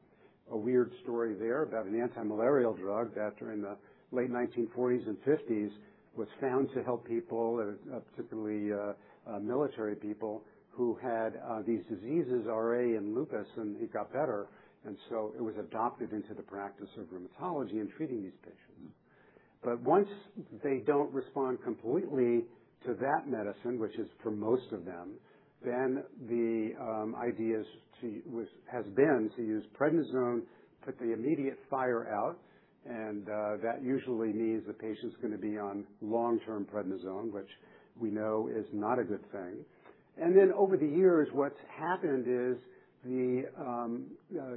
A weird story there about an anti-malarial drug that during the late 1940s and 1950s was found to help people, particularly military people, who had these diseases, RA and lupus, and it got better. It was adopted into the practice of rheumatology in treating these patients. Once they don't respond completely to that medicine, which is for most of them, then the idea has been to use prednisone to put the immediate fire out, and that usually means the patient's going to be on long-term prednisone, which we know is not a good thing. Over the years, what's happened is the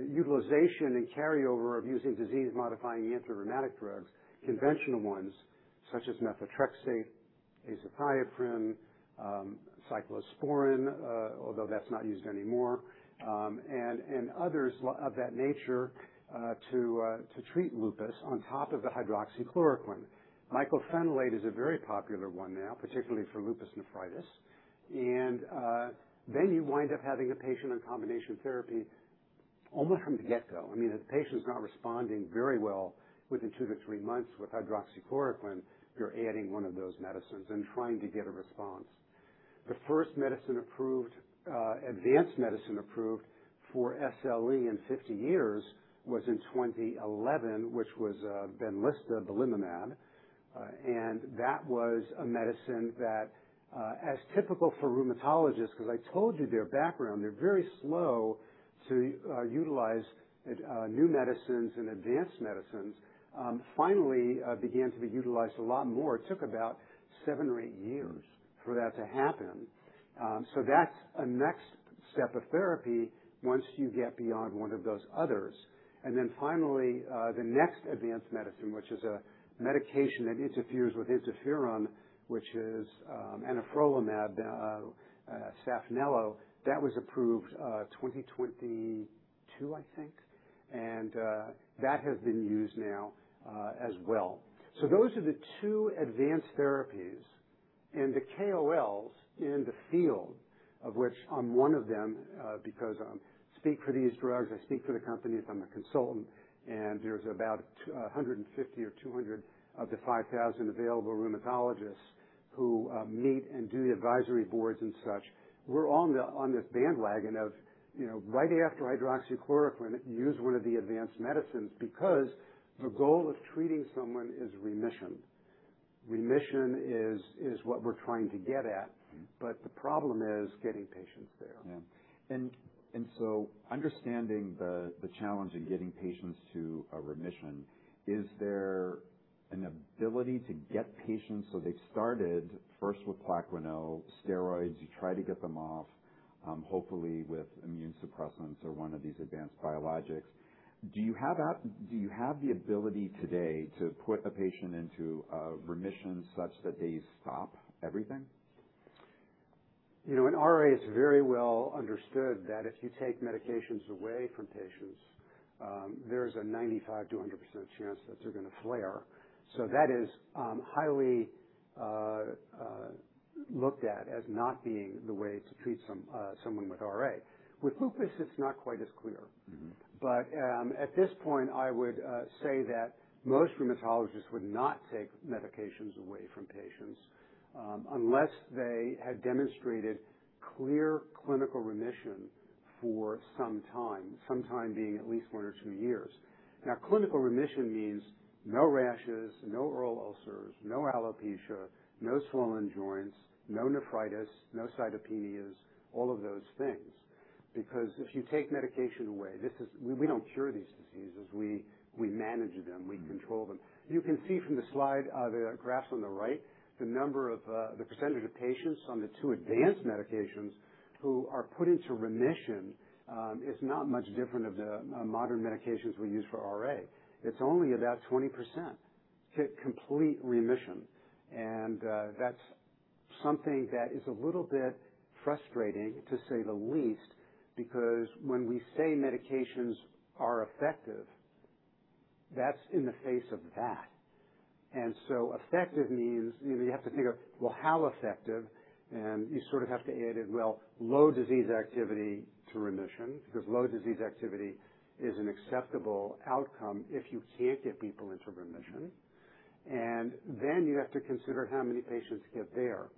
utilization and carryover of using disease-modifying antirheumatic drugs, conventional ones such as methotrexate, azathioprine, cyclosporine, although that's not used anymore, and others of that nature, to treat lupus on top of the hydroxychloroquine. Mycophenolate is a very popular one now, particularly for lupus nephritis. You wind up having a patient on combination therapy almost from the get-go. If the patient's not responding very well within two to three months with hydroxychloroquine, you're adding one of those medicines and trying to get a response. The first advanced medicine approved for SLE in 50 years was in 2011, which was BENLYSTA, belimumab. That was a medicine that, as typical for rheumatologists, because I told you their background, they're very slow to utilize new medicines and advanced medicines, finally began to be utilized a lot more. It took about seven or eight years for that to happen. That's a next step of therapy once you get beyond one of those others. Finally, the next advanced medicine, which is a medication that interferes with interferon, which is anifrolumab, SAPHNELO, that was approved 2022, I think. That has been used now as well. Those are the two advanced therapies, the KOLs in the field, of which I'm one of them because I speak for these drugs, I speak for the companies, I'm a consultant, and there's about 150 or 200 of the 5,000 available rheumatologists who meet and do the advisory boards and such. We're all on this bandwagon of right after hydroxychloroquine, use one of the advanced medicines because the goal of treating someone is remission. Remission is what we're trying to get at, but the problem is getting patients there. Understanding the challenge in getting patients to a remission, is there an ability to get patients, so they started first with PLAQUENIL, steroids. You try to get them off, hopefully with immune suppressants or one of these advanced biologics. Do you have the ability today to put a patient into remission such that they stop everything? In RA, it's very well understood that if you take medications away from patients, there's a 95%-100% chance that they're going to flare. That is highly looked at as not being the way to treat someone with RA. With lupus, it's not quite as clear. At this point, I would say that most rheumatologists would not take medications away from patients, unless they had demonstrated clear clinical remission for some time, some time being at least one or two years. Now, clinical remission means no rashes, no oral ulcers, no alopecia, no swollen joints, no nephritis, no cytopenias, all of those things. If you take medication away, we don't cure these diseases. We manage them. We control them. You can see from the slide, the graph on the right, the percentage of patients on the two advanced medications who are put into remission is not much different of the modern medications we use for RA. It's only about 20% hit complete remission, and that's something that is a little bit frustrating, to say the least, because when we say medications are effective, that's in the face of that. Effective means you have to think of, well, how effective? You sort of have to add in, well, low disease activity to remission, because low disease activity is an acceptable outcome if you can't get people into remission. You have to consider how many patients get there.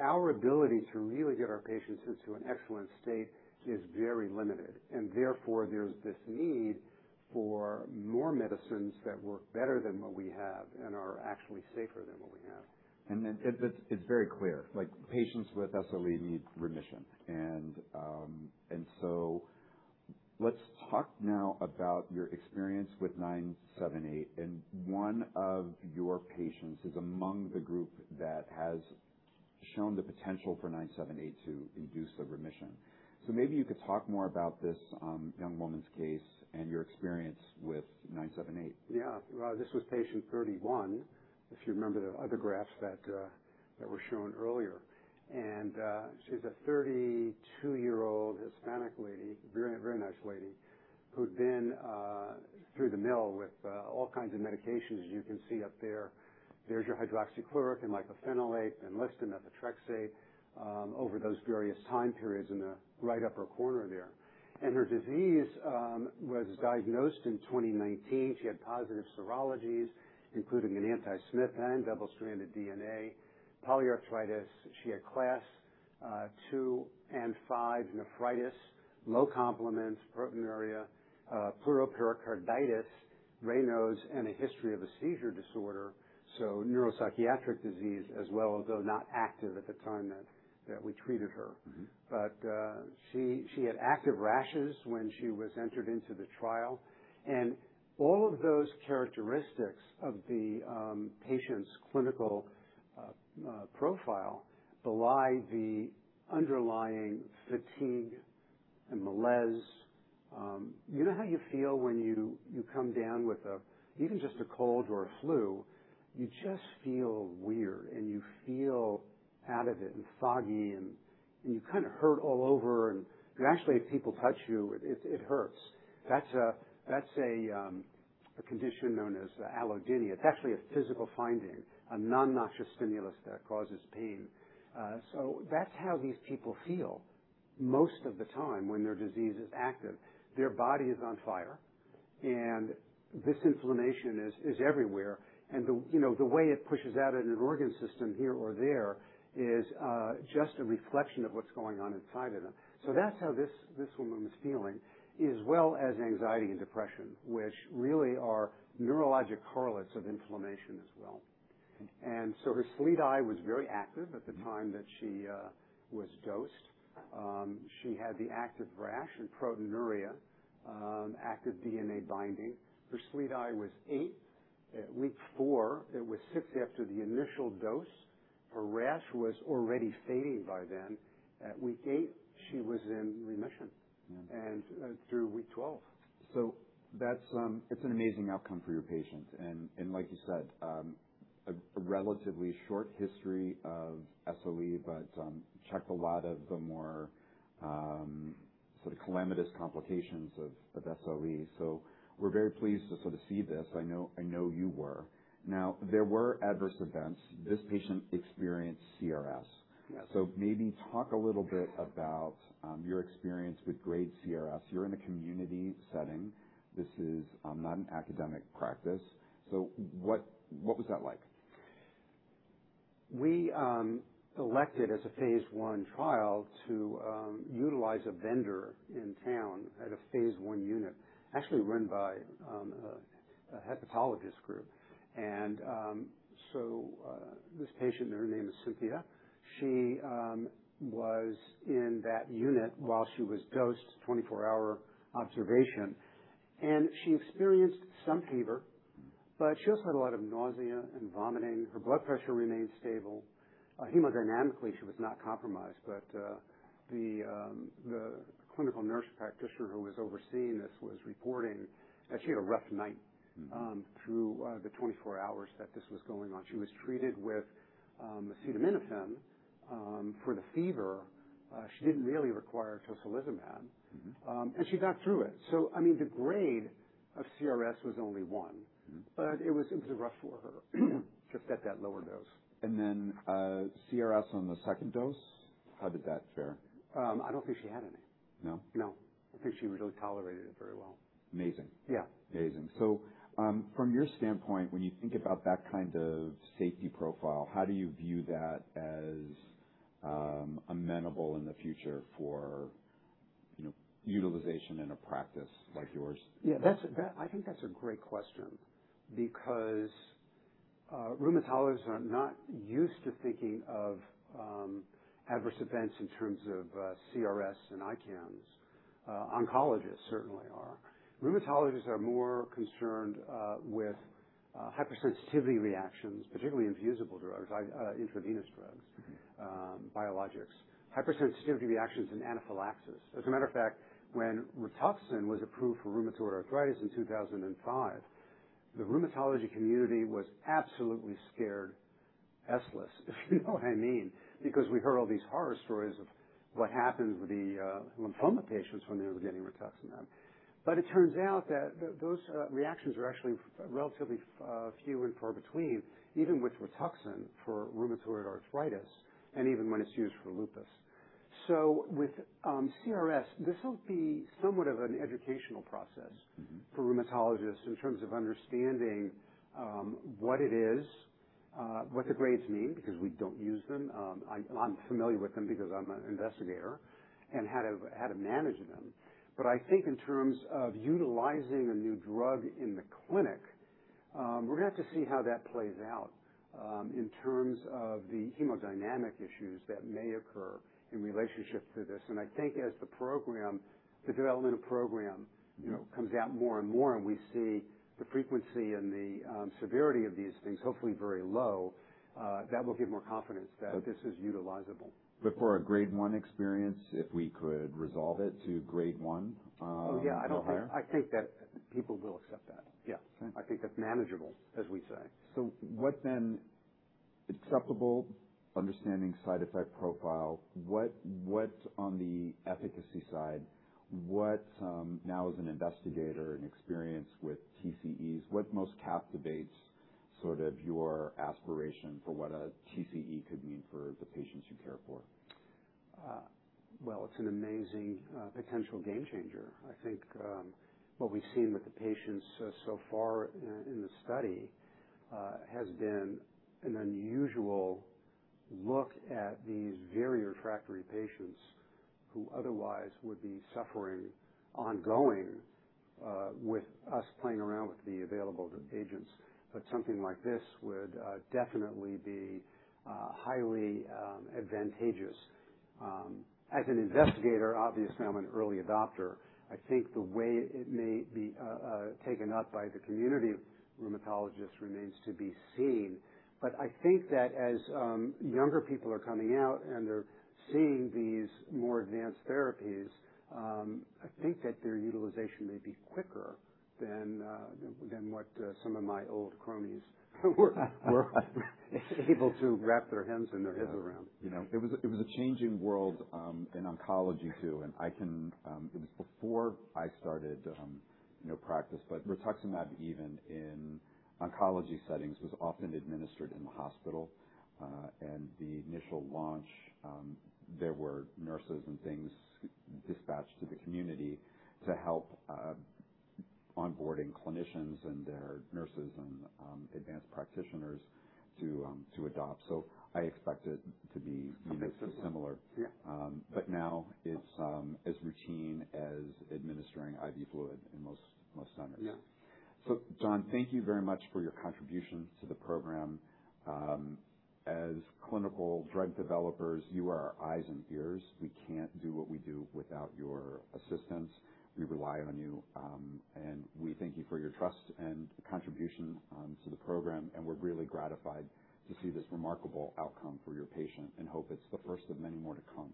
Our ability to really get our patients into an excellent state is very limited, and therefore, there's this need for more medicines that work better than what we have and are actually safer than what we have. It's very clear, patients with SLE need remission. Let's talk now about your experience with CLN-978 and one of your patients, who's among the group that has shown the potential for CLN-978 to induce a remission. Maybe you could talk more about this young woman's case and your experience with CLN-978. Yeah. This was patient 31, if you remember the other graphs that were shown earlier. She's a 32-year-old Hispanic lady, very nice lady, who'd been through the mill with all kinds of medications, as you can see up there. There's your hydroxychloroquine, mycophenolate, BENLYSTA and methotrexate, over those various time periods in the right upper corner there. Her disease was diagnosed in 2019. She had positive serologies, including an anti-Smith and anti-double-stranded DNA, polyarthritis. She had class II and V nephritis, low complement, proteinuria, pleuropericarditis, Raynaud's, and a history of a seizure disorder, so neuropsychiatric disease as well, although not active at the time that we treated her. She had active rashes when she was entered into the trial, all of those characteristics of the patient's clinical profile belie the underlying fatigue and malaise. You know how you feel when you come down with even just a cold or a flu? You just feel weird, you feel out of it and foggy, you kind of hurt all over, actually, if people touch you, it hurts. That's a condition known as allodynia. It's actually a physical finding, a non-noxious stimulus that causes pain. That's how these people feel most of the time when their disease is active. Their body is on fire, this inflammation is everywhere. The way it pushes out at an organ system here or there is just a reflection of what's going on inside of them. That's how this woman was feeling, as well as anxiety and depression, which really are neurologic correlates of inflammation as well. Her SLEDAI was very active at the time that she was dosed. She had the active rash and proteinuria, active DNA binding. Her SLEDAI was 8 at week four. It was 6 after the initial dose. Her rash was already fading by then. At week eight, she was in remission. Yeah Through week 12. That's an amazing outcome for your patient. Like you said, a relatively short history of SLE, but checked a lot of the more sort of calamitous complications of SLE. We're very pleased to sort of see this. I know you were. There were adverse events. This patient experienced CRS. Yes. Maybe talk a little bit about your experience with grade CRS. You're in a community setting. This is not an academic practice. What was that like? We elected as a phase I trial to utilize a vendor in town at a phase I unit, actually run by a hepatologist group. This patient, her name is Sophia, she was in that unit while she was dosed, 24-hour observation. She experienced some fever. She also had a lot of nausea and vomiting. Her blood pressure remained stable. Hemodynamically, she was not compromised, but the clinical nurse practitioner who was overseeing this was reporting that she had a rough night through the 24 hours that this was going on. She was treated with acetaminophen for the fever. She didn't really require tocilizumab. She got through it. The grade of CRS was only 1, but it was rough for her just at that lower dose. CRS on the second dose, how did that fare? I don't think she had any. No? No. I think she really tolerated it very well. Amazing. Yeah. Amazing. From your standpoint, when you think about that kind of safety profile, how do you view that as amenable in the future for utilization in a practice like yours? Yeah, I think that's a great question because rheumatologists are not used to thinking of adverse events in terms of CRS and ICANS. Oncologists certainly are. Rheumatologists are more concerned with hypersensitivity reactions, particularly in infusible drugs, intravenous drugs biologics, hypersensitivity reactions and anaphylaxis. As a matter of fact, when Rituxan was approved for rheumatoid arthritis in 2005, the rheumatology community was absolutely scared essless, if you know what I mean, because we heard all these horror stories of what happened with the lymphoma patients when they were getting rituximab. It turns out that those reactions are actually relatively few and far between, even with Rituxan for rheumatoid arthritis and even when it's used for lupus. With CRS, this will be somewhat of an educational process, for rheumatologists in terms of understanding what it is, what the grades mean, because we don't use them. I'm familiar with them because I'm an investigator and how to manage them. I think in terms of utilizing a new drug in the clinic, we're going to have to see how that plays out in terms of the hemodynamic issues that may occur in relationship to this. I think as the developmental program comes out more and more and we see the frequency and the severity of these things, hopefully very low that will give more confidence that this is utilizable. For a grade 1 experience, if we could resolve it to grade 1, no harm. Oh, yeah. I think that people will accept that. Yeah. Okay. I think that's manageable, as we say. What then, acceptable understanding side effect profile. What's on the efficacy side? What now, as an investigator and experience with TCEs, what most captivates sort of your aspiration for what a TCE could mean for the patients you care for? Well, it's an amazing potential game changer. I think what we've seen with the patients so far in the study has been an unusual look at these very refractory patients who otherwise would be suffering ongoing with us playing around with the available agents. Something like this would definitely be highly advantageous. As an investigator, obviously, I'm an early adopter. I think the way it may be taken up by the community rheumatologists remains to be seen. I think that as younger people are coming out and they're seeing these more advanced therapies, I think that their utilization may be quicker than what some of my old cronies were able to wrap their heads around. It was a changing world in oncology, too. It was before I started practice, but rituximab, even in oncology settings, was often administered in the hospital. The initial launch, there were nurses and things dispatched to the community to help onboarding clinicians and their nurses and advanced practitioners to adopt. I expect it to be similar. Yeah. Now it's as routine as administering IV fluid in most centers. Yeah. John, thank you very much for your contribution to the program. As clinical drug developers, you are our eyes and ears. We can't do what we do without your assistance. We rely on you, and we thank you for your trust and contribution to the program, and we're really gratified to see this remarkable outcome for your patient and hope it's the first of many more to come.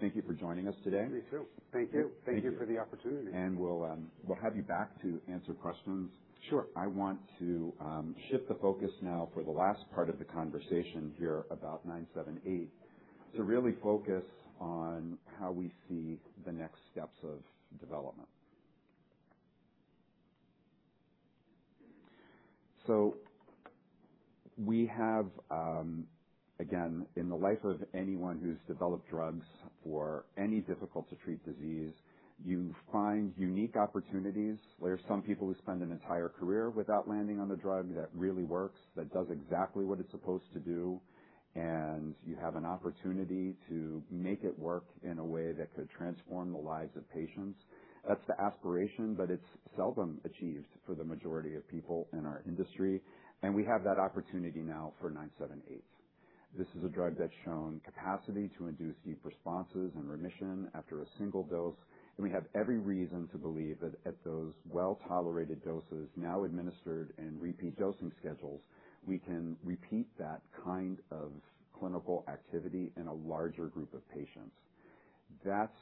Thank you for joining us today. Me too. Thank you. Thank you. Thank you for the opportunity. We'll have you back to answer questions. Sure. I want to shift the focus now for the last part of the conversation here about CLN-978, to really focus on how we see the next steps of development. We have, again, in the life of anyone who's developed drugs for any difficult to treat disease, you find unique opportunities. There are some people who spend an entire career without landing on a drug that really works, that does exactly what it's supposed to do, and you have an opportunity to make it work in a way that could transform the lives of patients. That's the aspiration, but it's seldom achieved for the majority of people in our industry. We have that opportunity now for CLN-978. This is a drug that's shown capacity to induce deep responses and remission after a single dose, and we have every reason to believe that at those well-tolerated doses now administered in repeat dosing schedules, we can repeat that kind of clinical activity in a larger group of patients. That's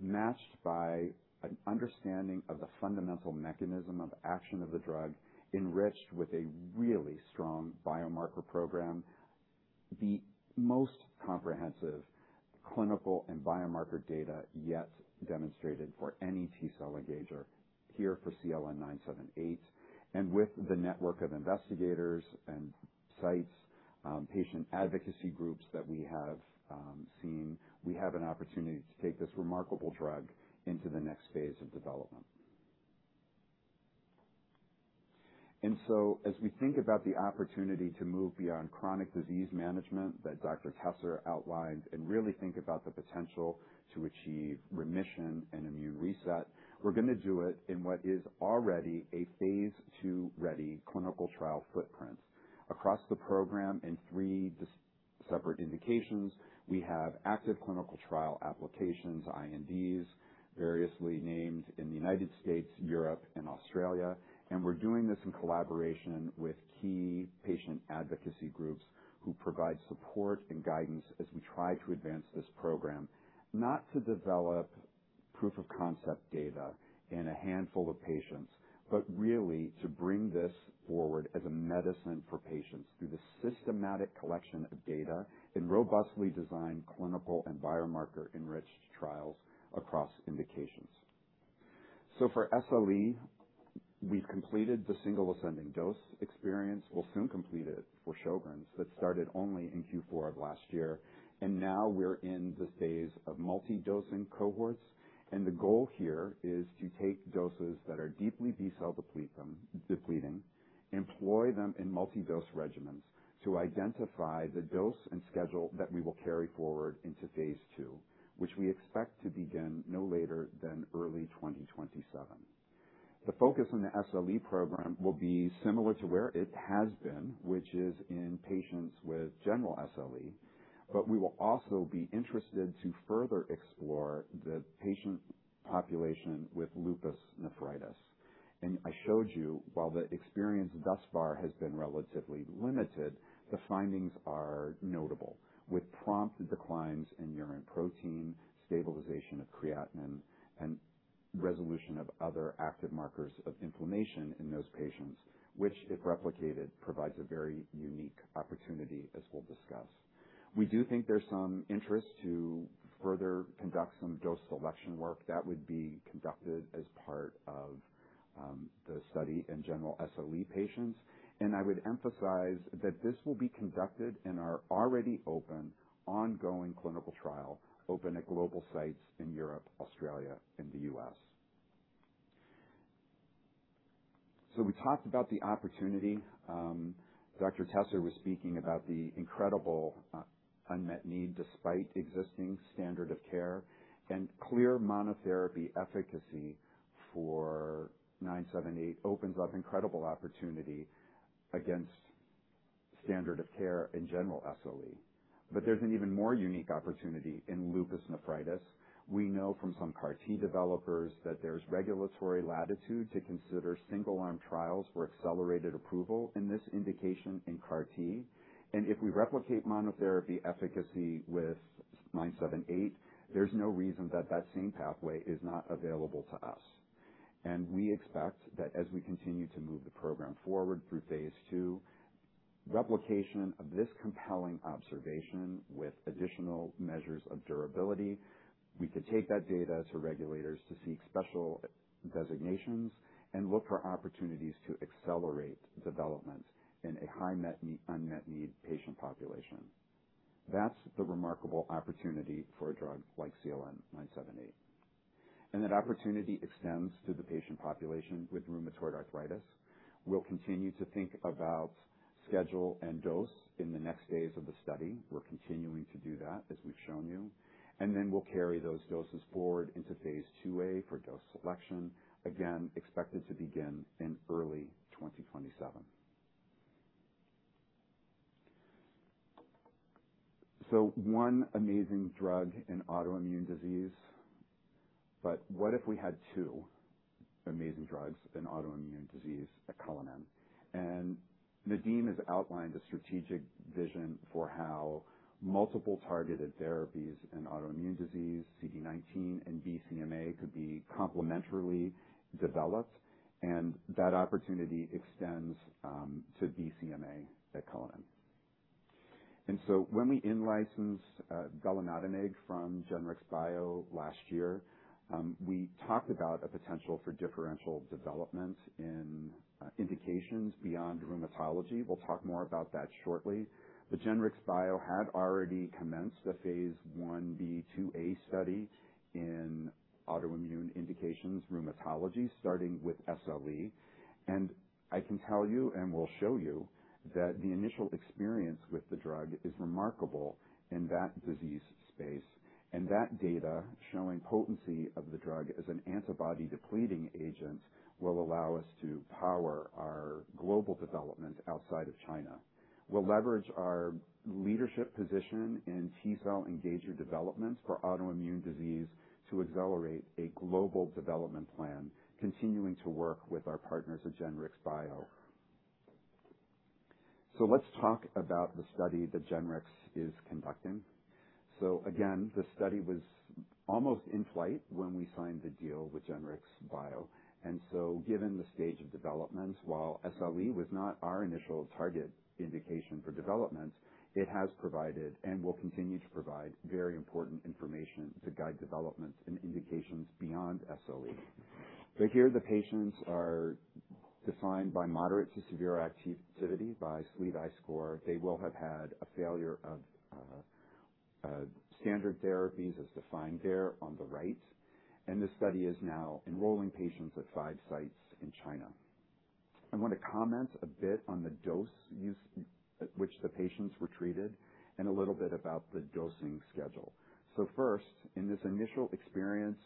matched by an understanding of the fundamental mechanism of action of the drug, enriched with a really strong biomarker program, the most comprehensive clinical and biomarker data yet demonstrated for any T-cell engager here for CLN-978, and with the network of investigators and sites, patient advocacy groups that we have seen. We have an opportunity to take this remarkable drug into the next phase of development. As we think about the opportunity to move beyond chronic disease management that Dr. Tesser outlined, and really think about the potential to achieve remission and immune reset, we're going to do it in what is already a phase II-ready clinical trial footprint. Across the program in three separate indications, we have active clinical trial applications, INDs, variously named in the U.S., Europe, and Australia, and we're doing this in collaboration with key patient advocacy groups who provide support and guidance as we try to advance this program. Not to develop proof of concept data in a handful of patients, but really to bring this forward as a medicine for patients through the systematic collection of data in robustly designed clinical and biomarker-enriched trials across indications. For SLE, we've completed the single ascending-dose experience. We'll soon complete it for Sjögren's, that started only in Q4 of last year. Now we're in the phase of multi-dosing cohorts, and the goal here is to take doses that are deeply B-cell depleting, employ them in multi-dose regimens to identify the dose and schedule that we will carry forward into phase II, which we expect to begin no later than early 2027. The focus on the SLE program will be similar to where it has been, which is in patients with general SLE, but we will also be interested to further explore the patient population with lupus nephritis. I showed you, while the experience thus far has been relatively limited, the findings are notable, with prompt declines in urine protein, stabilization of creatinine, and resolution of other active markers of inflammation in those patients, which, if replicated, provides a very unique opportunity as we'll discuss. We do think there's some interest to further conduct some dose-selection work that would be conducted as part of the study in general SLE patients, I would emphasize that this will be conducted in our already open, ongoing clinical trial, open at global sites in Europe, Australia, and the U.S. We talked about the opportunity. Dr. Tesser was speaking about the incredible unmet need despite existing standard of care, clear monotherapy efficacy for CLN-978 opens up incredible opportunity against standard of care in general SLE. There's an even more unique opportunity in lupus nephritis. We know from some CAR T developers that there's regulatory latitude to consider single-arm trials for accelerated approval in this indication in CAR T. If we replicate monotherapy efficacy with CLN-978, there's no reason that that same pathway is not available to us. We expect that as we continue to move the program forward through phase II, replication of this compelling observation with additional measures of durability, we could take that data to regulators to seek special designations and look for opportunities to accelerate development in a high unmet need patient population. That's the remarkable opportunity for a drug like CLN-978. That opportunity extends to the patient population with rheumatoid arthritis. We'll continue to think about schedule and dose in the next phase of the study. We're continuing to do that, as we've shown you. Then we'll carry those doses forward into phase IIa for dose selection, again, expected to begin in early 2027. One amazing drug in autoimmune disease. What if we had two amazing drugs in autoimmune disease at Cullinan? Nadim has outlined a strategic vision for how multiple targeted therapies in autoimmune disease, CD19 and BCMA, could be complementarily developed, that opportunity extends to BCMA at Cullinan. When we in-licensed velinotamig from Genrix Bio last year, we talked about a potential for differential development in indications beyond rheumatology. We'll talk more about that shortly. Genrix Bio had already commenced a phase Ib/IIa study in autoimmune indications rheumatology, starting with SLE. I can tell you, and will show you, that the initial experience with the drug is remarkable in that disease space. That data showing potency of the drug as an antibody-depleting agent will allow us to power our global development outside of China. We'll leverage our leadership position in T-cell engager developments for autoimmune disease to accelerate a global development plan, continuing to work with our partners at Genrix Bio. Let's talk about the study that Genrix Bio is conducting. Again, the study was almost in flight when we signed the deal with Genrix Bio, given the stage of development, while SLE was not our initial target indication for development, it has provided and will continue to provide very important information to guide development and indications beyond SLE. Here, the patients are defined by moderate-to-severe activity by SLEDAI score. They will have had a failure of standard therapies as defined there on the right, this study is now enrolling patients at five sites in China. I want to comment a bit on the dose at which the patients were treated and a little bit about the dosing schedule. First, in this initial experience,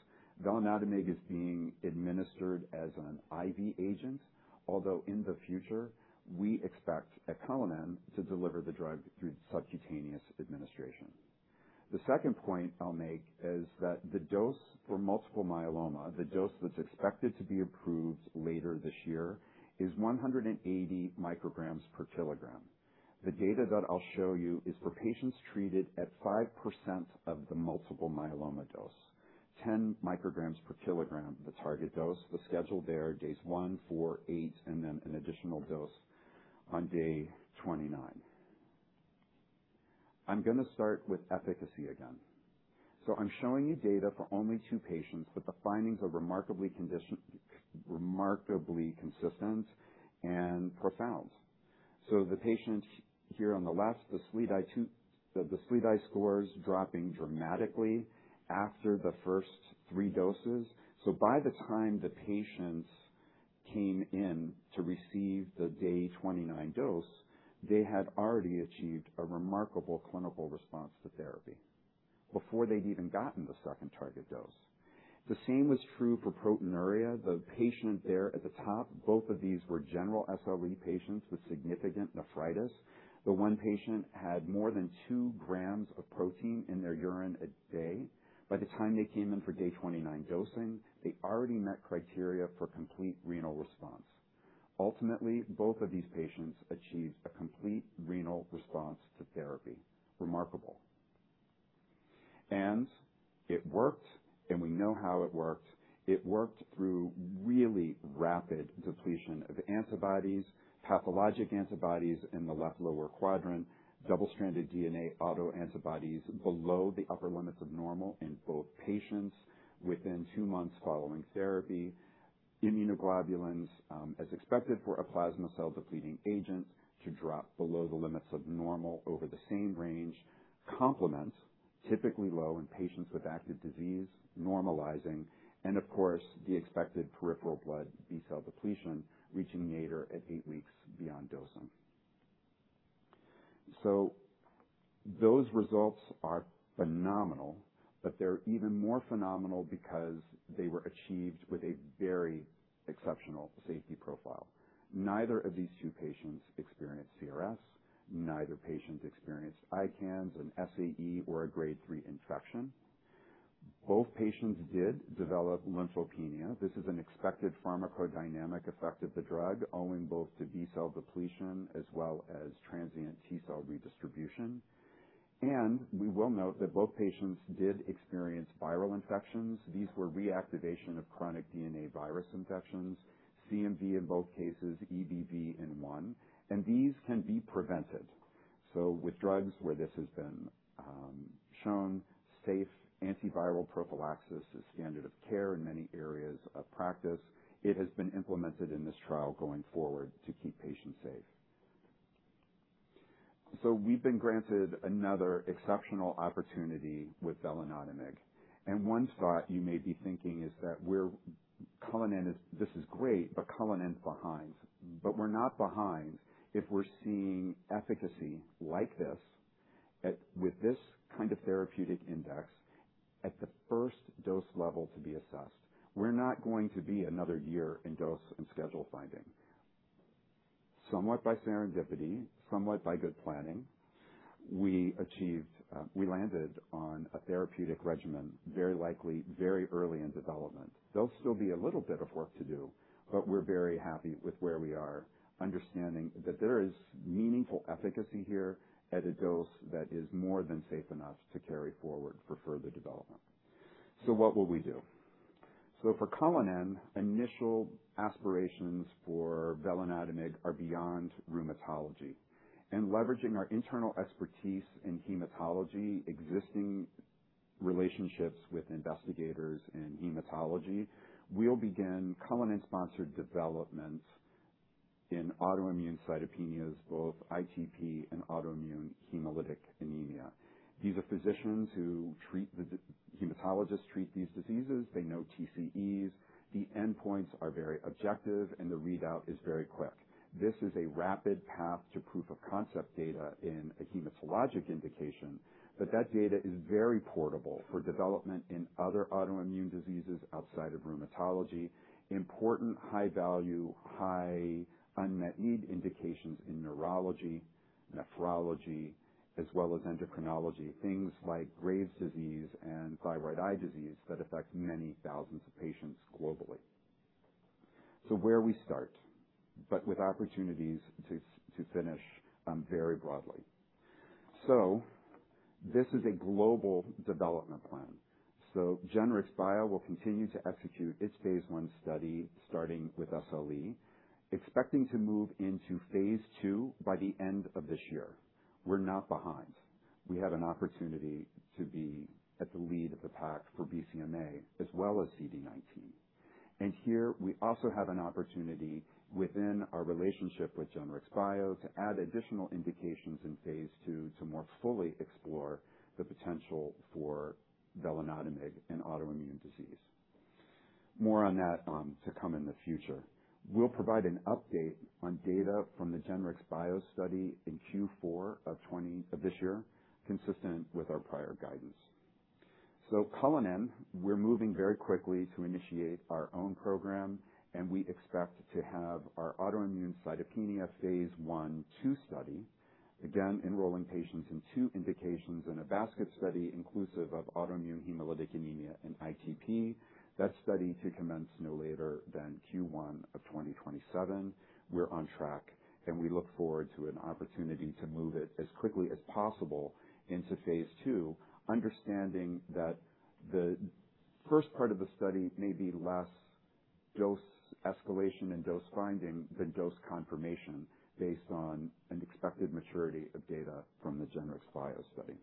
velinotamig is being administered as an IV agent. Although in the future we expect Cullinan to deliver the drug through subcutaneous administration. The second point I'll make is that the dose for multiple myeloma, the dose that's expected to be approved later this year, is 180 mcg per kilogram. The data that I'll show you is for patients treated at 5% of the multiple myeloma dose, 10 mcg per kilogram, the target dose, the schedule there, days one, four, eight, and then an additional dose on day 29. I'm going to start with efficacy again. I'm showing you data for only two patients, but the findings are remarkably consistent and profound. The patient here on the left, the SLEDAI scores dropping dramatically after the first three doses. By the time the patients came in to receive the day 29 dose, they had already achieved a remarkable clinical response to therapy before they'd even gotten the second target dose. The same was true for proteinuria. The patient there at the top, both of these were general SLE patients with significant nephritis. The one patient had more than 2 g of protein in their urine a day. By the time they came in for day 29 dosing, they already met criteria for complete renal response. Ultimately, both of these patients achieved a complete renal response to therapy. Remarkable. It worked, and we know how it worked. It worked through really rapid depletion of antibodies, pathologic antibodies in the left lower quadrant, double-stranded DNA autoantibodies below the upper limits of normal in both patients within two months following therapy, immunoglobulins as expected for a plasma cell-depleting agent to drop below the limits of normal over the same range, complements, typically low in patients with active disease normalizing, and of course, the expected peripheral blood B-cell depletion reaching nadir at eight weeks beyond dosing. Those results are phenomenal, but they're even more phenomenal because they were achieved with a very exceptional safety profile. Neither of these two patients experienced CRS. Neither patient experienced ICANS, an SAE, or a grade 3 infection. Both patients did develop lymphopenia. This is an expected pharmacodynamic effect of the drug owing both to B-cell depletion as well as transient T-cell redistribution. We will note that both patients did experience viral infections. These were reactivation of chronic DNA virus infections, CMV in both cases, EBV in one, these can be prevented. With drugs where this has been shown safe, antiviral prophylaxis is standard of care in many areas of practice. It has been implemented in this trial going forward to keep patients safe. We've been granted another exceptional opportunity with velinotamig, one thought you may be thinking is that this is great, Cullinan's behind. We're not behind if we're seeing efficacy like this with this kind of therapeutic index at the first dose level to be assessed. We're not going to be another year in dose and schedule finding. Somewhat by serendipity, somewhat by good planning, we landed on a therapeutic regimen very likely very early in development. There'll still be a little bit of work to do, but we're very happy with where we are, understanding that there is meaningful efficacy here at a dose that is more than safe enough to carry forward for further development. What will we do? For Cullinan, initial aspirations for velinotamig are beyond rheumatology, and leveraging our internal expertise in hematology, existing relationships with investigators in hematology, we'll begin Cullinan-sponsored developments in autoimmune cytopenias, both ITP and autoimmune hemolytic anemia. These are physicians who treat the diseases. Hematologists treat these diseases. They know TCEs. The endpoints are very objective, and the readout is very quick. This is a rapid path to proof of concept data in a hematologic indication. That data is very portable for development in other autoimmune diseases outside of rheumatology. Important high-value, high unmet need indications in neurology, nephrology, as well as endocrinology. Things like Graves' disease and thyroid eye disease that affect many thousands of patients globally. Where we start, but with opportunities to finish very broadly. This is a global development plan. Genrix Bio will continue to execute its phase I study starting with SLE, expecting to move into phase II by the end of this year. We're not behind. We have an opportunity to be at the lead of the pack for BCMA as well as CD19. Here we also have an opportunity within our relationship with Genrix Bio to add additional indications in phase II to more fully explore the potential for velinotamig in autoimmune disease. More on that to come in the future. We'll provide an update on data from the Genrix Bio study in Q4 of this year, consistent with our prior guidance. Cullinan, we're moving very quickly to initiate our own program, and we expect to have our autoimmune cytopenia phase I/II study, again, enrolling patients in two indications in a basket study inclusive of autoimmune hemolytic anemia and ITP. That study to commence no later than Q1 of 2027. We're on track, and we look forward to an opportunity to move it as quickly as possible into phase II, understanding that the first part of the study may be less dose escalation and dose finding than dose confirmation based on an expected maturity of data from the Genrix Bio study.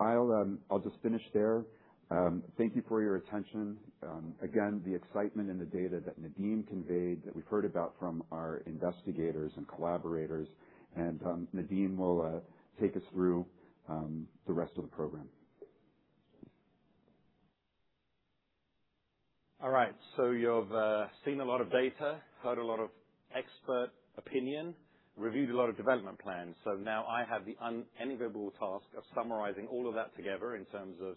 I'll just finish there. Thank you for your attention. Again, the excitement in the data that Nadim conveyed that we've heard about from our investigators and collaborators, and Nadim will take us through the rest of the program. All right. You've seen a lot of data, heard a lot of expert opinion, reviewed a lot of development plans. Now I have the unenviable task of summarizing all of that together in terms of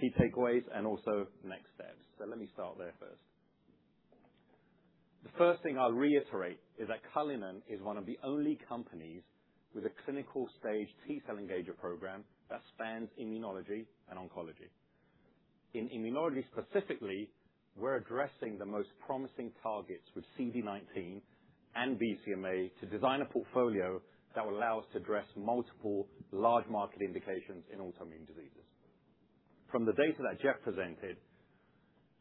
key takeaways and also next steps. Let me start there first. The first thing I'll reiterate is that Cullinan is one of the only companies with a clinical stage T-cell engager program that spans immunology and oncology. In immunology specifically, we're addressing the most promising targets with CD19 and BCMA to design a portfolio that will allow us to address multiple large market indications in autoimmune diseases. From the data that Jeff presented,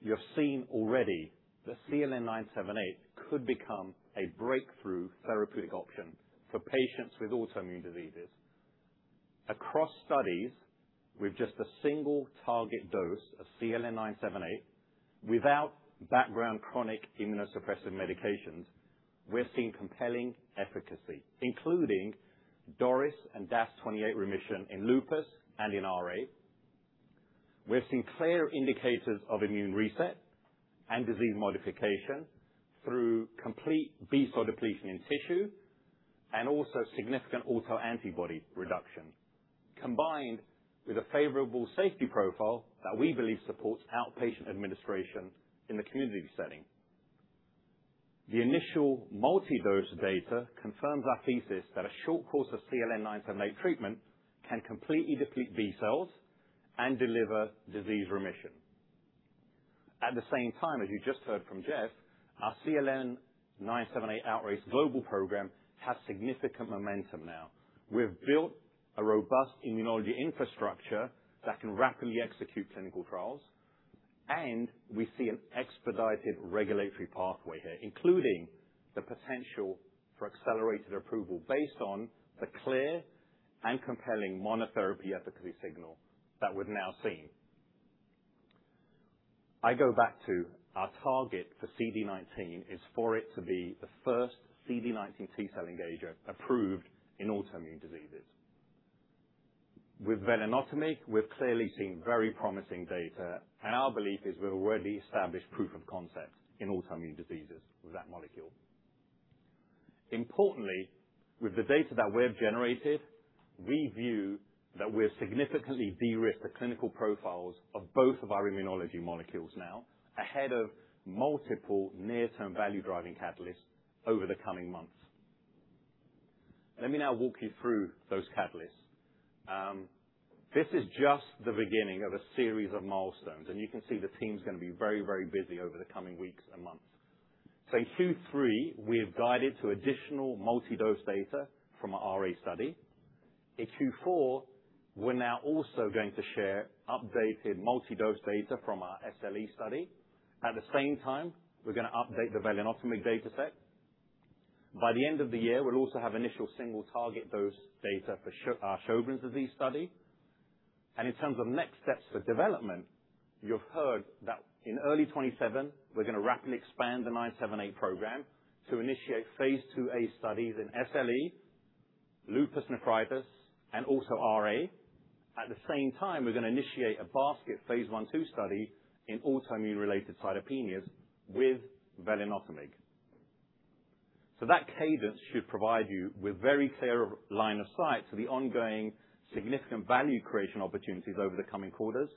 you have seen already that CLN-978 could become a breakthrough therapeutic option for patients with autoimmune diseases. Across studies, with just a single target dose of CLN-978, without background chronic immunosuppressive medications, we're seeing compelling efficacy, including DORIS and DAS28 remission in lupus and in RA. We're seeing clear indicators of immune reset and disease modification through complete B-cell depletion in tissue, and also significant autoantibody reduction, combined with a favorable safety profile that we believe supports outpatient administration in the community setting. The initial multi-dose data confirms our thesis that a short course of CLN-978 treatment can completely deplete B cells and deliver disease remission. At the same time, as you just heard from Jeff, our CLN-978 outreach global program has significant momentum now. We've built a robust immunology infrastructure that can rapidly execute clinical trials, and we see an expedited regulatory pathway here, including the potential for accelerated approval based on the clear and compelling monotherapy efficacy signal that we've now seen. I go back to our target for CD19 is for it to be the first CD19 T-cell engager approved in autoimmune diseases. With velinotamig, we've clearly seen very promising data, and our belief is we've already established proof of concept in autoimmune diseases with that molecule. Importantly, with the data that we have generated, we view that we're significantly de-risk the clinical profiles of both of our immunology molecules now ahead of multiple near-term value-driving catalysts over the coming months. Let me now walk you through those catalysts. This is just the beginning of a series of milestones, and you can see the team's going to be very busy over the coming weeks and months. In Q3, we've guided to additional multi-dose data from our RA study. In Q4, we're now also going to share updated multi-dose data from our SLE study. At the same time, we're going to update the velinotamig dataset. By the end of the year, we'll also have initial single target dose data for our Sjögren's disease study. In terms of next steps for development, you've heard that in early 2027, we're going to rapidly expand the CLN-978 program to initiate phase IIa studies in SLE, lupus nephritis, and also RA. At the same time, we're going to initiate a basket phase I/II study in autoimmune related cytopenias with velinotamig. That cadence should provide you with very clear line of sight to the ongoing significant value creation opportunities over the coming quarters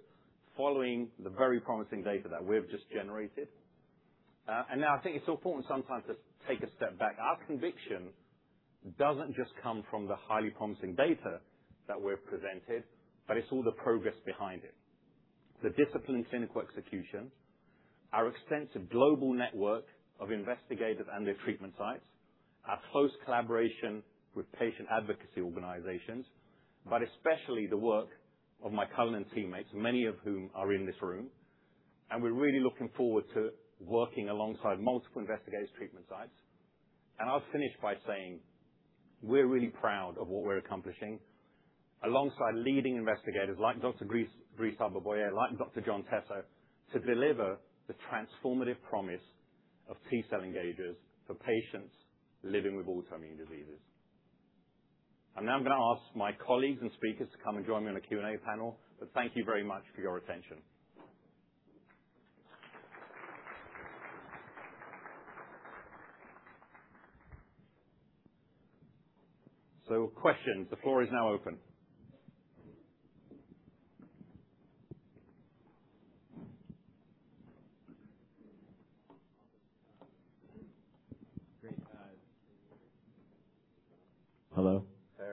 following the very promising data that we've just generated. Now I think it's important sometimes to take a step back. Our conviction doesn't just come from the highly promising data that we've presented, but it's all the progress behind it. The disciplined clinical execution, our extensive global network of investigators and their treatment sites, our close collaboration with patient advocacy organizations, but especially the work of my Cullinan teammates, many of whom are in this room. We're really looking forward to working alongside multiple investigators' treatment sites. I'll finish by saying we're really proud of what we're accomplishing alongside leading investigators like Dr. Gries, Grieshaber-Bouyer, like Dr. John Tesser, to deliver the transformative promise of T-cell engagers for patients living with autoimmune diseases. I'm now going to ask my colleagues and speakers to come and join me on a Q&A panel, but thank you very much for your attention. Questions. The floor is now open.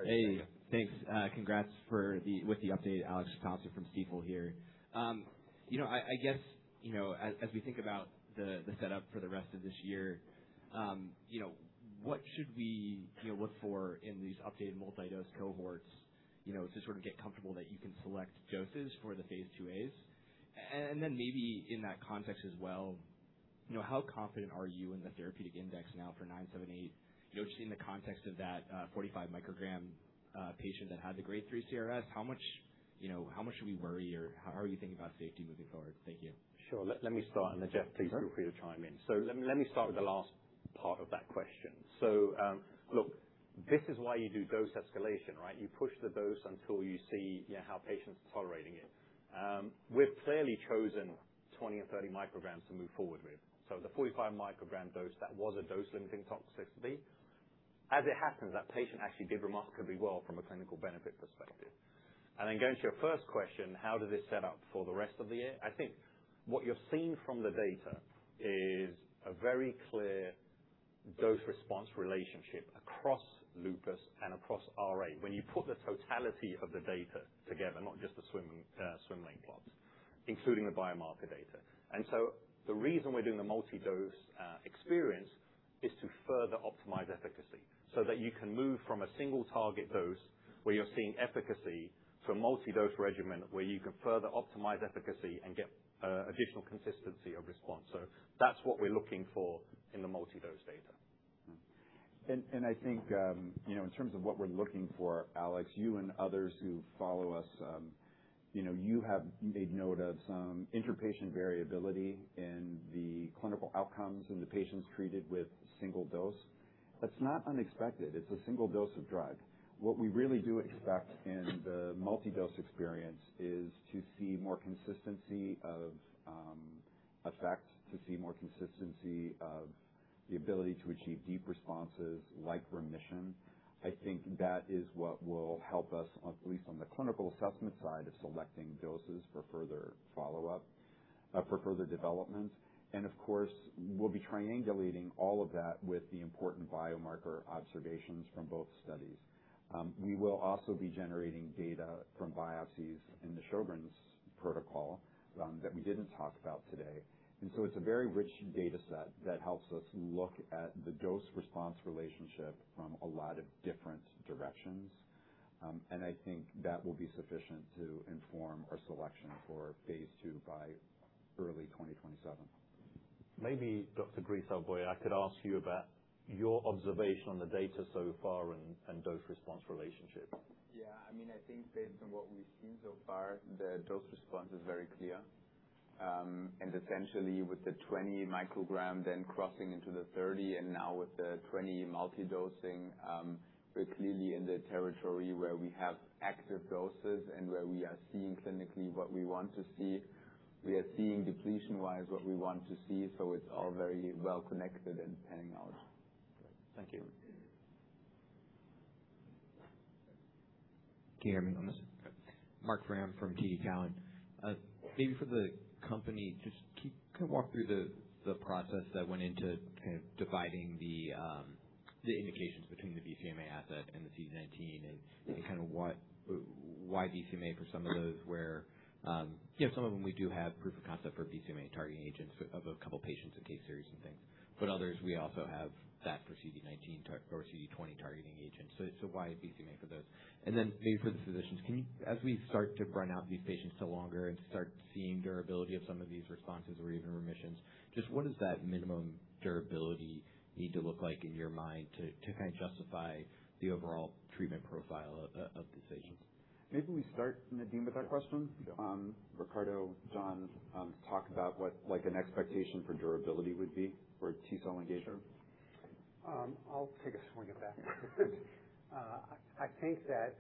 Great. Hello? Hey. Thanks. Congrats with the update, Alex Thompson from Stifel here. I guess, as we think about the setup for the rest of this year, what should we look for in these updated multi-dose cohorts to sort of get comfortable that you can select doses for the phase IIas? Maybe in that context as well, how confident are you in the therapeutic index now for CLN-978, just in the context of that 45-mcg patient that had the grade 3 CRS? How much should we worry or how are you thinking about safety moving forward? Thank you. Sure. Let me start, and then Jeff, please feel free to chime in. Let me start with the last part of that question. Look, this is why you do dose escalation, right? You push the dose until you see how patients are tolerating it. We've clearly chosen 20 mcg and 30 mcg to move forward with. The 45-mcg dose, that was a dose-limiting toxicity. As it happens, that patient actually did remarkably well from a clinical benefit perspective. Going to your first question, how does this set up for the rest of the year? I think what you're seeing from the data is a very clear dose-response relationship across lupus and across RA when you put the totality of the data together, not just the swimlane plots, including the biomarker data. The reason we're doing the multi-dose experience is to further optimize efficacy so that you can move from a single target dose where you're seeing efficacy to a multi-dose regimen where you can further optimize efficacy and get additional consistency of response. That's what we're looking for in the multi-dose data. I think, in terms of what we're looking for, Alex, you and others who follow us, you have made note of some inter-patient variability in the clinical outcomes in the patients treated with single dose. That's not unexpected. It's a single dose of drug. What we really do expect in the multi-dose experience is to see more consistency of effects, to see more consistency of the ability to achieve deep responses like remission. I think that is what will help us, at least on the clinical assessment side of selecting doses for further follow-up, for further development. Of course, we'll be triangulating all of that with the important biomarker observations from both studies. We will also be generating data from biopsies in the Sjögren's protocol that we didn't talk about today. It's a very rich data set that helps us look at the dose-response relationship from a lot of different directions. I think that will be sufficient to inform our selection for phase II by early 2027. Maybe Dr. Grieshaber-Bouyer, I could ask you about your observation on the data so far and dose-response relationship. I think based on what we've seen so far, the dose response is very clear. Essentially with the 20 mcg then crossing into the 30 mcg and now with the 20 mcg multi-dosing, we're clearly in the territory where we have active doses and where we are seeing clinically what we want to see. We are seeing depletion-wise what we want to see, it's all very well connected and panning out. Thank you. Marc Frahm from TD Cowen. Maybe for the company, just walk through the process that went into dividing the indications between the BCMA asset and the CD19 and why BCMA for some of those where some of them we do have proof of concept for BCMA-targeting agents of a couple of patients in case series and things. Others, we also have that for CD19 or CD20-targeting agents. Why BCMA for those? Maybe for the physicians, as we start to run out these patients to longer and start seeing durability of some of these responses or even remissions, just what does that minimum durability need to look like in your mind to justify the overall treatment profile of these patients? Maybe we start, Nadim, with that question. Ricardo, John, talk about what an expectation for durability would be for a T-cell engager. Sure. I'll take a swing at that. I think that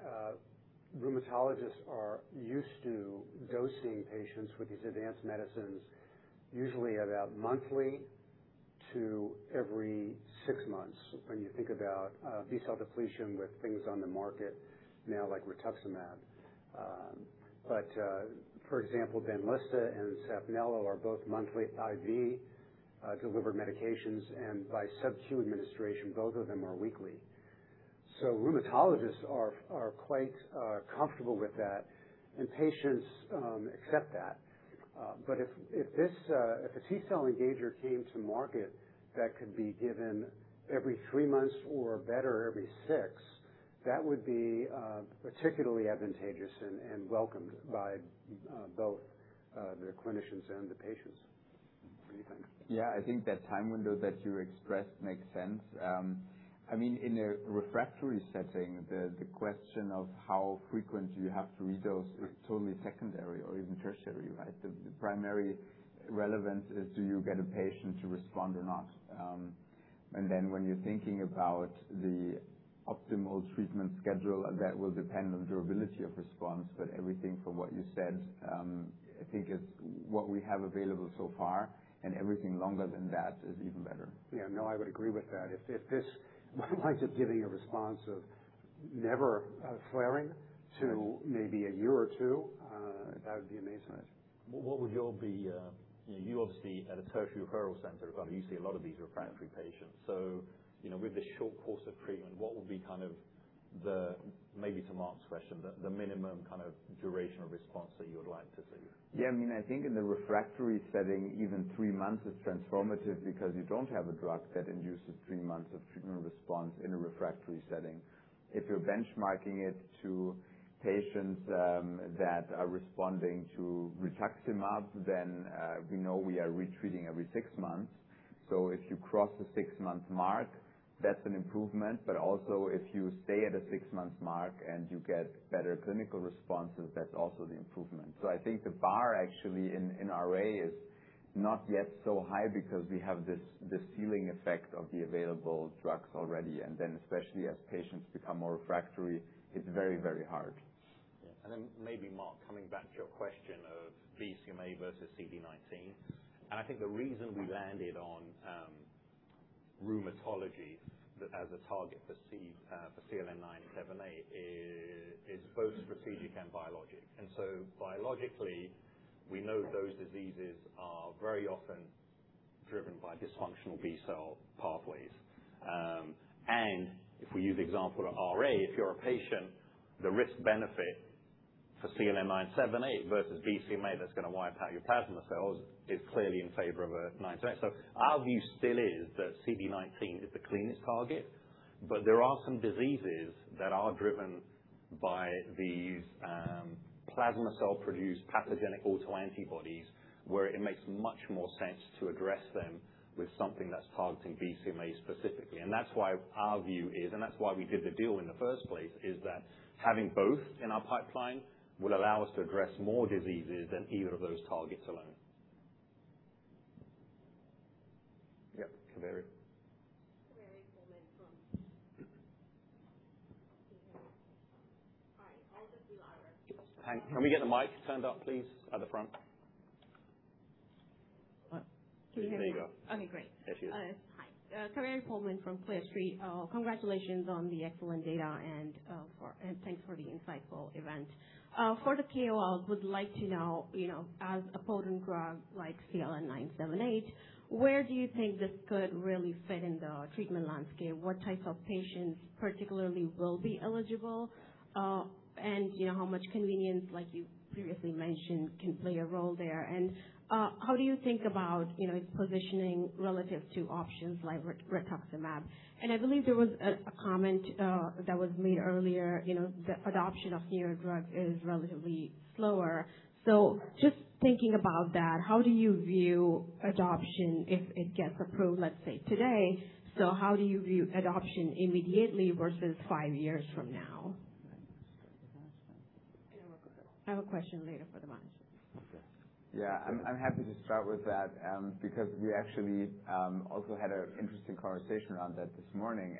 rheumatologists are used to dosing patients with these advanced medicines usually about monthly to every six months, when you think about B-cell depletion with things on the market now, like rituximab. For example, BENLYSTA and SAPHNELO are both monthly IV-delivered medications, and by subcutaneous administration, both of them are weekly. Rheumatologists are quite comfortable with that, and patients accept that. If a T-cell engager came to market that could be given every three months or better every six, that would be particularly advantageous and welcomed by both the clinicians and the patients. What do you think? I think that time window that you expressed makes sense. In a refractory setting, the question of how frequent you have to redose is totally secondary or even tertiary, right? The primary relevance is do you get a patient to respond or not? When you're thinking about the optimal treatment schedule, that will depend on durability of response. Everything from what you said, I think it's what we have available so far, and everything longer than that is even better. Yeah, no, I would agree with that. If this winds up giving a response of never flaring to maybe a year or two, that would be amazing. You obviously at a tertiary referral center, you see a lot of these refractory patients. With the short course of treatment, what would be maybe to Marc's question, the minimum duration of response that you would like to see? Yeah, I think in the refractory setting, even three months is transformative because you don't have a drug that induces three months of treatment response in a refractory setting. If you're benchmarking it to patients that are responding to rituximab, then we know we are retreating every six months. If you cross the six-month mark, that's an improvement. Also, if you stay at a six-month mark and you get better clinical responses, that's also the improvement. I think the bar actually in RA is not yet so high because we have this ceiling effect of the available drugs already. Especially as patients become more refractory, it's very hard. Yeah. Maybe, Marc, coming back to your question of BCMA versus CD19. I think the reason we landed on rheumatology as a target for CLN-978 is both strategic and biologic. Biologically, we know those diseases are very often driven by dysfunctional B-cell pathways. If we use the example of RA, if you're a patient, the risk-benefit for CLN-978 versus BCMA that's going to wipe out your plasma cells is clearly in favor of a CLN-978. Our view still is that CD19 is the cleanest target, but there are some diseases that are driven by these plasma cell-produced pathogenic autoantibodies, where it makes much more sense to address them with something that's targeting BCMA specifically. That's why our view is, and that's why we did the deal in the first place, is that having both in our pipeline will allow us to address more diseases than either of those targets alone. Yep. Kaveri. Kaveri Pohlman from. Can we get the mic turned up, please, at the front? There you go. Okay, great. There she is. Hi. Kaveri Pohlman from Clear Street. Congratulations on the excellent data and thanks for the insightful event. For the KOLs, would like to know, as a potent drug like CLN-978, where do you think this could really fit in the treatment landscape? What types of patients particularly will be eligible? How much convenience, like you previously mentioned, can play a role there? How do you think about its positioning relative to options like rituximab? I believe there was a comment that was made earlier, the adoption of newer drug is relatively slower. Just thinking about that, how do you view adoption if it gets approved, let's say, today? How do you view adoption immediately versus five years from now? You want to start with that? I have a question later for the management. I'm happy to start with that, because we actually also had an interesting conversation around that this morning.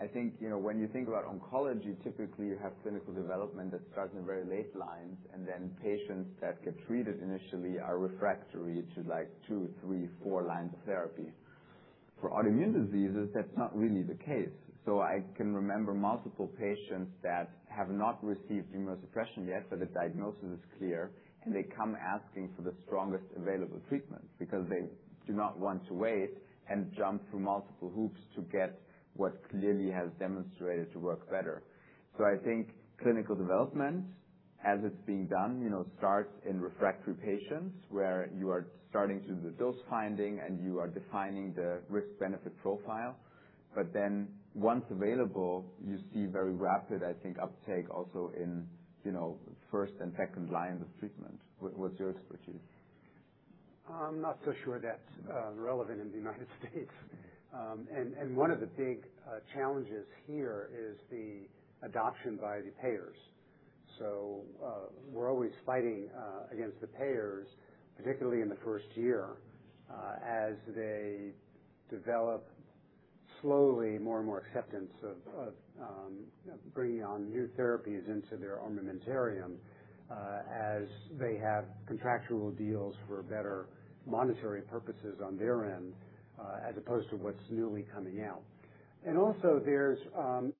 I think when you think about oncology, typically you have clinical development that starts in very late lines, then patients that get treated initially are refractory to two, three, four lines of therapy. For autoimmune diseases, that's not really the case. I can remember multiple patients that have not received immunosuppression yet, but the diagnosis is clear, they come asking for the strongest available treatment because they do not want to wait and jump through multiple hoops to get what clearly has demonstrated to work better. I think clinical development, as it's being done, starts in refractory patients, where you are starting to do the dose finding, you are defining the risk-benefit profile. Once available, you see very rapid, I think, uptake also in first and second lines of treatment. What's your expertise? I'm not so sure that's relevant in the U.S. One of the big challenges here is the adoption by the payers. We're always fighting against the payers, particularly in the first year, as they develop, slowly, more and more acceptance of bringing on new therapies into their armamentarium as they have contractual deals for better monetary purposes on their end, as opposed to what's newly coming out. There will be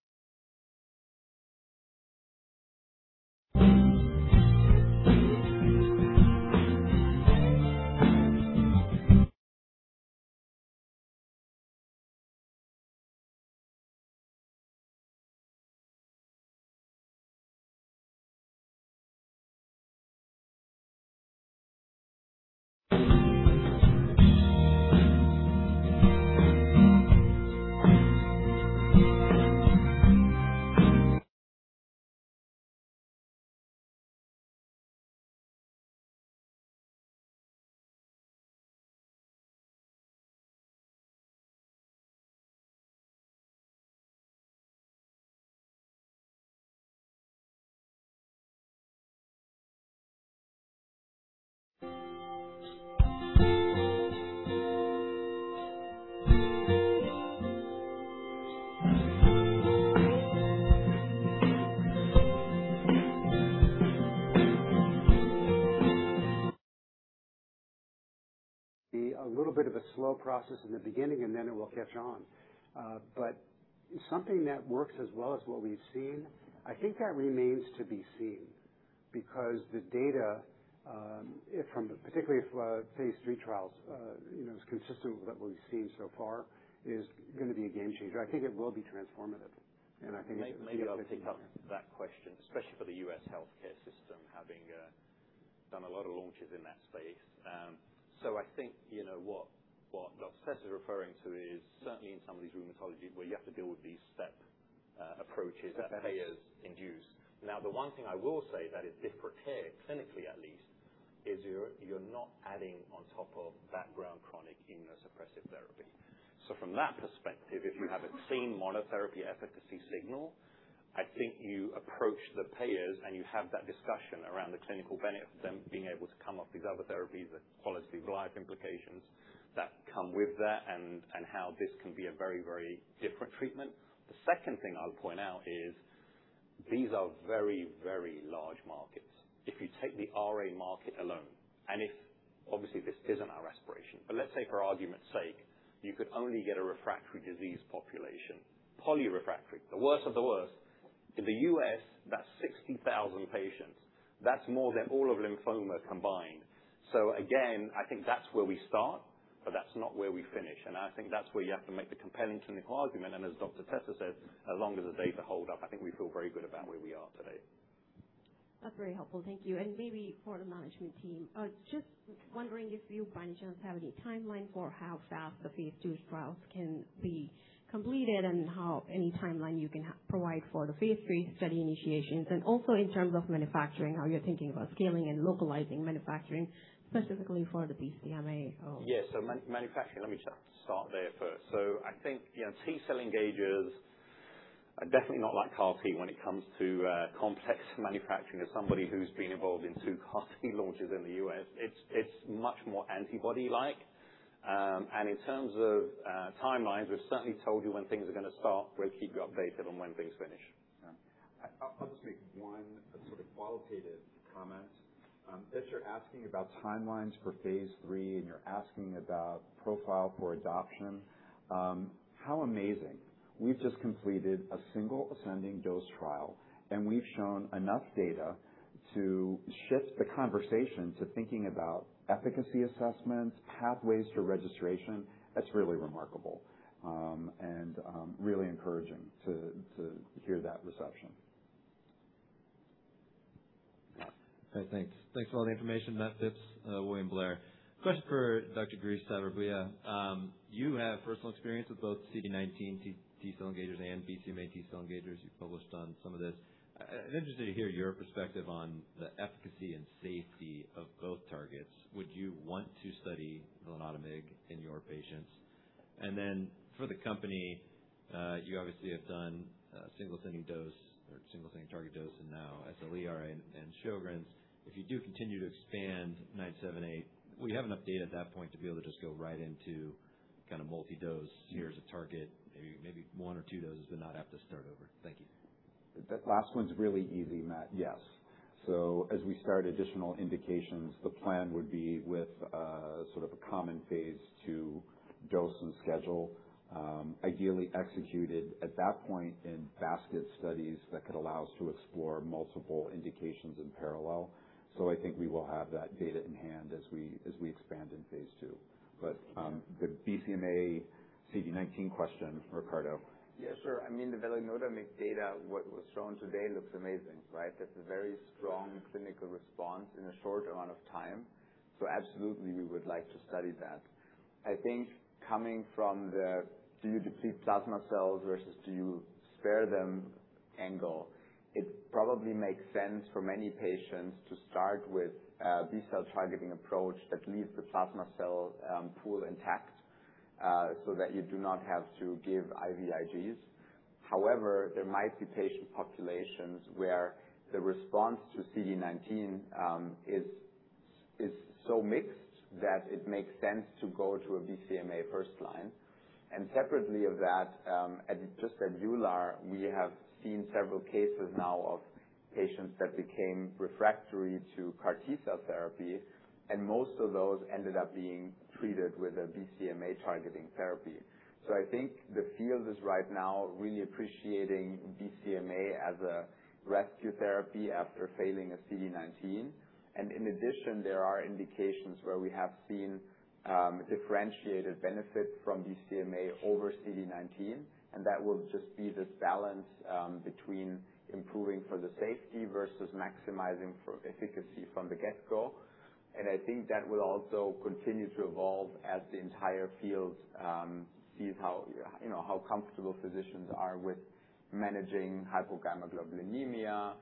a little bit of a slow process in the beginning, then it will catch on. Something that works as well as what we've seen, I think that remains to be seen, because the data, particularly if phase III trials is consistent with what we've seen so far, is going to be a game changer. I think it will be transformative, I think it will. Maybe I'll pick up that question, especially for the U.S. healthcare system, having done a lot of launches in that space. I think what Dr. Tesser's referring to is certainly in some of these rheumatology where you have to deal with these step approaches that payers induce. The one thing I will say that is different here, clinically at least, is you're not adding on top of background chronic immunosuppressive therapy. From that perspective, if you have a clean monotherapy efficacy signal, I think you approach the payers, you have that discussion around the clinical benefit of them being able to come off these other therapies, the quality of life implications that come with that, how this can be a very, very different treatment. The second thing I would point out is these are very, very large markets. If you take the RA market alone, if obviously, this isn't our aspiration, but let's say for argument's sake, you could only get a refractory disease population, polyrefractory, the worst of the worst. In the U.S., that's 60,000 patients. That's more than all of lymphoma combined. Again, I think that's where we start, but that's not where we finish. I think that's where you have to make the compelling clinical argument. As Dr. Tesser said, as long as the data hold up, I think we feel very good about where we are today. That's very helpful. Thank you. Maybe for the management team, just wondering if you by any chance have any timeline for how fast the phase II trials can be completed and any timeline you can provide for the phase III study initiations. Also in terms of manufacturing, how you're thinking about scaling and localizing manufacturing specifically for the BCMA. Manufacturing, let me start there first. I think T-cell engagers are definitely not like CAR T when it comes to complex manufacturing. As somebody who's been involved in two CAR T launches in the U.S., it's much more antibody-like. In terms of timelines, we've certainly told you when things are going to start. We'll keep you updated on when things finish. I'll just make one sort of qualitative comment. If you're asking about timelines for phase III and you're asking about profile for adoption, how amazing. We've just completed a single ascending-dose trial, and we've shown enough data to shift the conversation to thinking about efficacy assessments, pathways to registration. That's really remarkable, and really encouraging to hear that reception. Okay. Thanks for all the information, Matt Phipps, William Blair. Question for Dr. Grieshaber-Bouyer. You have personal experience with both CD19 T-cell engagers and BCMA T-cell engagers. You've published on some of this. I'm interested to hear your perspective on the efficacy and safety of both targets. Would you want to study velinotamig in your patients? Then for the company, you obviously have done single ascending target dose in now SLE and Sjögren's. If you do continue to expand CLN-978, will you have enough data at that point to be able to just go right into kind of multi-dose years of target, maybe one or two doses to not have to start over? Thank you. The last one's really easy, Matt. Yes. As we start additional indications, the plan would be with a sort of a common phase II dose and schedule, ideally executed at that point in basket studies that could allow us to explore multiple indications in parallel. I think we will have that data in hand as we expand in phase II. The BCMA CD19 question, Ricardo. Yeah, sure. I mean, the velinotamig data, what was shown today looks amazing, right? That's a very strong clinical response in a short amount of time. Absolutely, we would like to study that. I think coming from the do you deplete plasma cells versus do you spare them angle, it probably makes sense for many patients to start with a B-cell-targeting approach that leaves the plasma cell pool intact, so that you do not have to give IVIGs. However, there might be patient populations where the response to CD19 is so mixed that it makes sense to go to a BCMA first line. Separately of that, just at EULAR, we have seen several cases now of patients that became refractory to CAR T-cell therapy, and most of those ended up being treated with a BCMA-targeting therapy. I think the field is right now really appreciating BCMA as a rescue therapy after failing a CD19. In addition, there are indications where we have seen differentiated benefit from BCMA over CD19, and that will just be this balance between improving for the safety versus maximizing for efficacy from the get-go. I think that will also continue to evolve as the entire field sees how comfortable physicians are with managing hypogammaglobulinemia,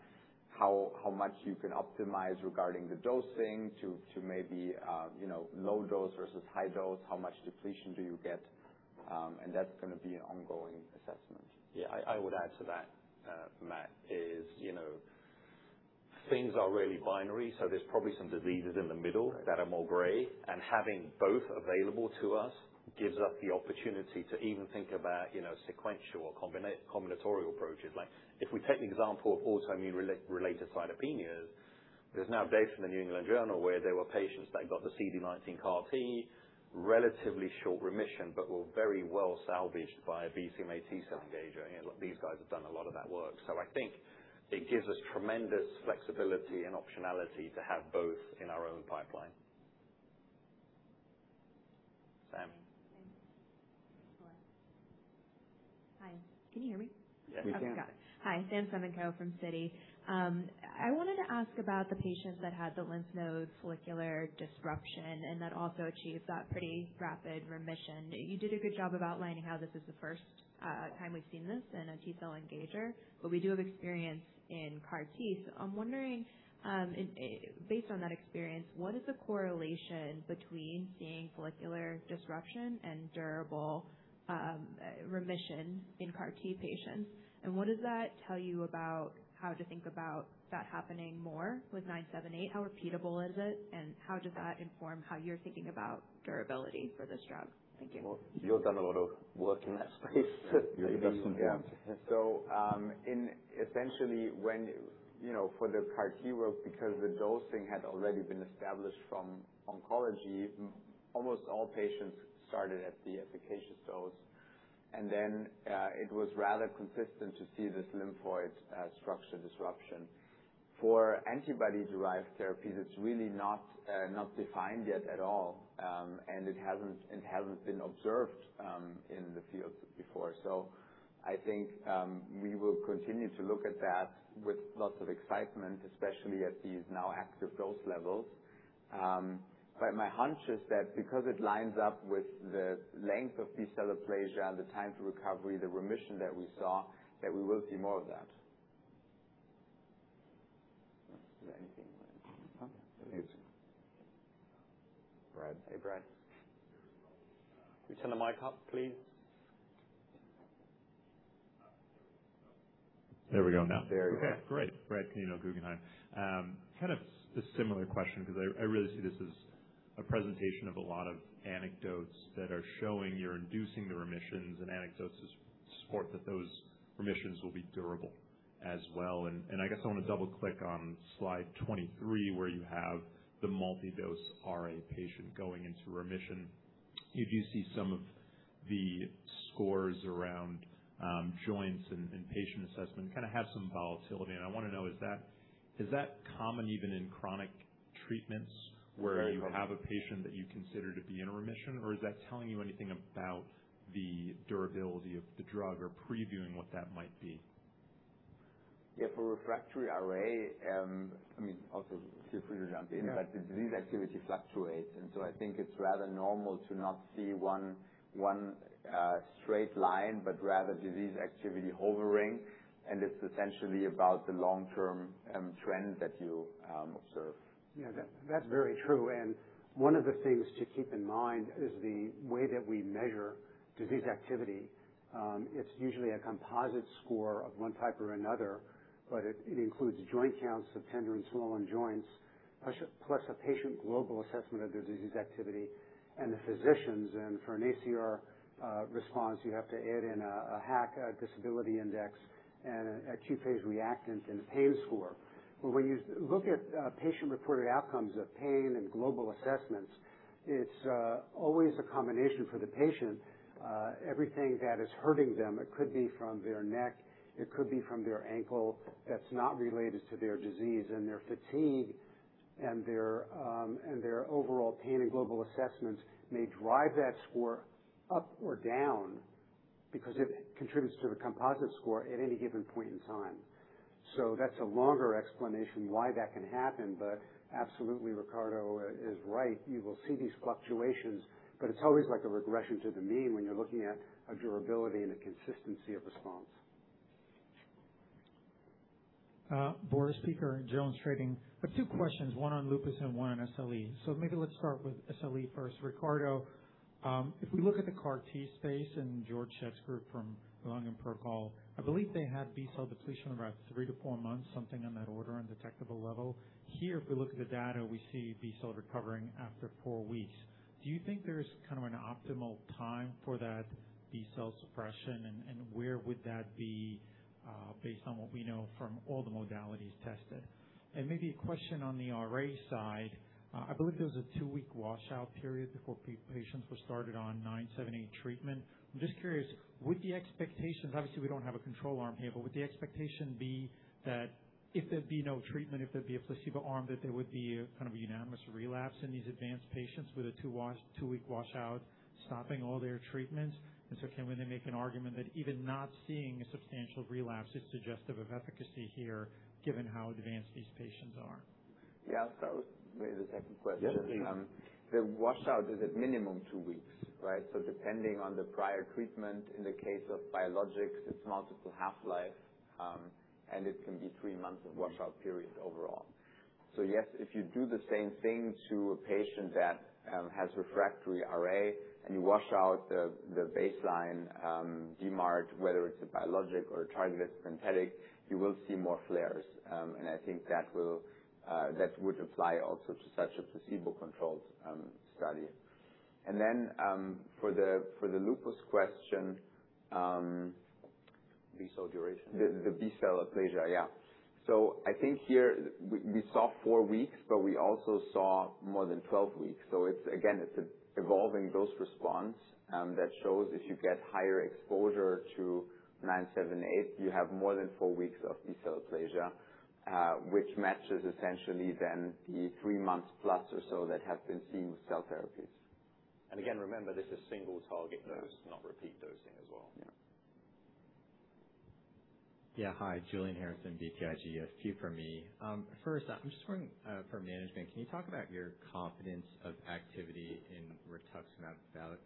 how much you can optimize regarding the dosing to maybe low dose versus high dose, how much depletion do you get. That's going to be an ongoing assessment. Yeah, I would add to that, Matt, is things are really binary, so there's probably some diseases in the middle that are more gray. Having both available to us gives us the opportunity to even think about sequential or combinatorial approaches. Like, if we take the example of autoimmune related cytopenias, there's now data from the New England Journal where there were patients that got the CD19 CAR T, relatively short remission, but were very well salvaged by a BCMA T-cell engager. These guys have done a lot of that work. I think it gives us tremendous flexibility and optionality to have both in our own pipeline. Sam. Hi. Can you hear me? Yes, we can. Okay, got it. Hi, Sam Semenko from Citi. I wanted to ask about the patients that had the lymph node follicular disruption and that also achieved that pretty rapid remission. You did a good job of outlining how this is the first time we've seen this in a T-cell engager, but we do have experience in CAR T. I'm wondering, based on that experience, what is the correlation between seeing follicular disruption and durable remission in CAR T patients? What does that tell you about how to think about that happening more with CLN-978? How repeatable is it, and how does that inform how you're thinking about durability for this drug? Thank you. Well, you've done a lot of work in that space. You definitely have. Essentially, for the CAR T work, because the dosing had already been established from oncology, almost all patients started at the efficacious dose. Then, it was rather consistent to see this lymphoid structure disruption. For antibody-derived therapies, it's really not defined yet at all. It hasn't been observed in the field before. I think we will continue to look at that with lots of excitement, especially at these now active dose levels. My hunch is that because it lines up with the length of T-cell aplasia, the time to recovery, the remission that we saw, that we will see more of that. Is there anything you want to add? No, I think that's it, Brad. Hey, Brad. Can you turn the mic up, please? There we go now. There you go. Okay, great. Brad Pinsky, Guggenheim. Kind of a similar question, because I really see this as a presentation of a lot of anecdotes that are showing you're inducing the remissions, anecdotes to support that those remissions will be durable as well. I guess I want to double-click on slide 23, where you have the multi-dose RA patient going into remission. You do see some of the scores around joints and patient assessment, kind of have some volatility. I want to know, is that common even in chronic treatments- Very common where you have a patient that you consider to be in remission, or is that telling you anything about the durability of the drug or previewing what that might be? For refractory RA, also feel free to jump in. Yeah. The disease activity fluctuates, I think it's rather normal to not see one straight line, rather disease activity hovering. It's essentially about the long-term trend that you observe. That's very true. One of the things to keep in mind is the way that we measure disease activity. It's usually a composite score of one type or another. It includes joint counts of tender and swollen joints, plus a patient global assessment of their disease activity and the physician's. For an ACR response, you have to add in a HAQ Disability Index and acute phase reactant and a pain score. When you look at patient-reported outcomes of pain and global assessments, it's always a combination for the patient. Everything that is hurting them, it could be from their neck, it could be from their ankle, that's not related to their disease. Their fatigue and their overall pain and global assessments may drive that score up or down because it contributes to a composite score at any given point in time. That's a longer explanation why that can happen, absolutely, Ricardo is right. You will see these fluctuations, it's always like a regression to the mean when you're looking at a durability and a consistency of response. Boris Peaker, JonesTrading. I have two questions, one on lupus and one on SLE. Maybe let's start with SLE first. Ricardo, if we look at the CAR T space and Georg Schett from Erlangen protocol, I believe they had B-cell depletion around three to four months, something in that order on detectable level. Here, if we look at the data, we see B cell recovering after four weeks. Do you think there's an optimal time for that B-cell suppression? Where would that be based on what we know from all the modalities tested? Maybe a question on the RA side. I believe there was a two-week washout period before patients were started on CLN-978 treatment. I'm just curious, would the expectations, obviously, we don't have a control arm here, but would the expectation be that if there'd be no treatment, if there'd be a placebo arm, that there would be a unanimous relapse in these advanced patients with a two-week washout stopping all their treatments? Can we then make an argument that even not seeing a substantial relapse is suggestive of efficacy here, given how advanced these patients are? Yeah. Maybe the second question. Yes, please. The washout is at minimum two weeks, right? Depending on the prior treatment, in the case of biologics, it's multiple half-life, and it can be three months of washout period overall. Yes, if you do the same thing to a patient that has refractory RA and you wash out the baseline DMARD, whether it's a biologic or a targeted synthetic, you will see more flares. I think that would apply also to such a placebo-controlled study. Then, for the lupus question. B-cell duration. The B-cell aplasia, yeah. I think here we saw four weeks, but we also saw more than 12 weeks. Again, it's an evolving dose response that shows if you get higher exposure to CLN-978, you have more than four weeks of B-cell aplasia, which matches essentially then the three months plus or so that have been seen with cell therapies. Again, remember, this is single target dose, not repeat dosing as well. Yeah. Yeah. Hi, Julian Harrison, BTIG. Two for me. First, I'm just wondering for management, can you talk about your confidence of activity in rituximab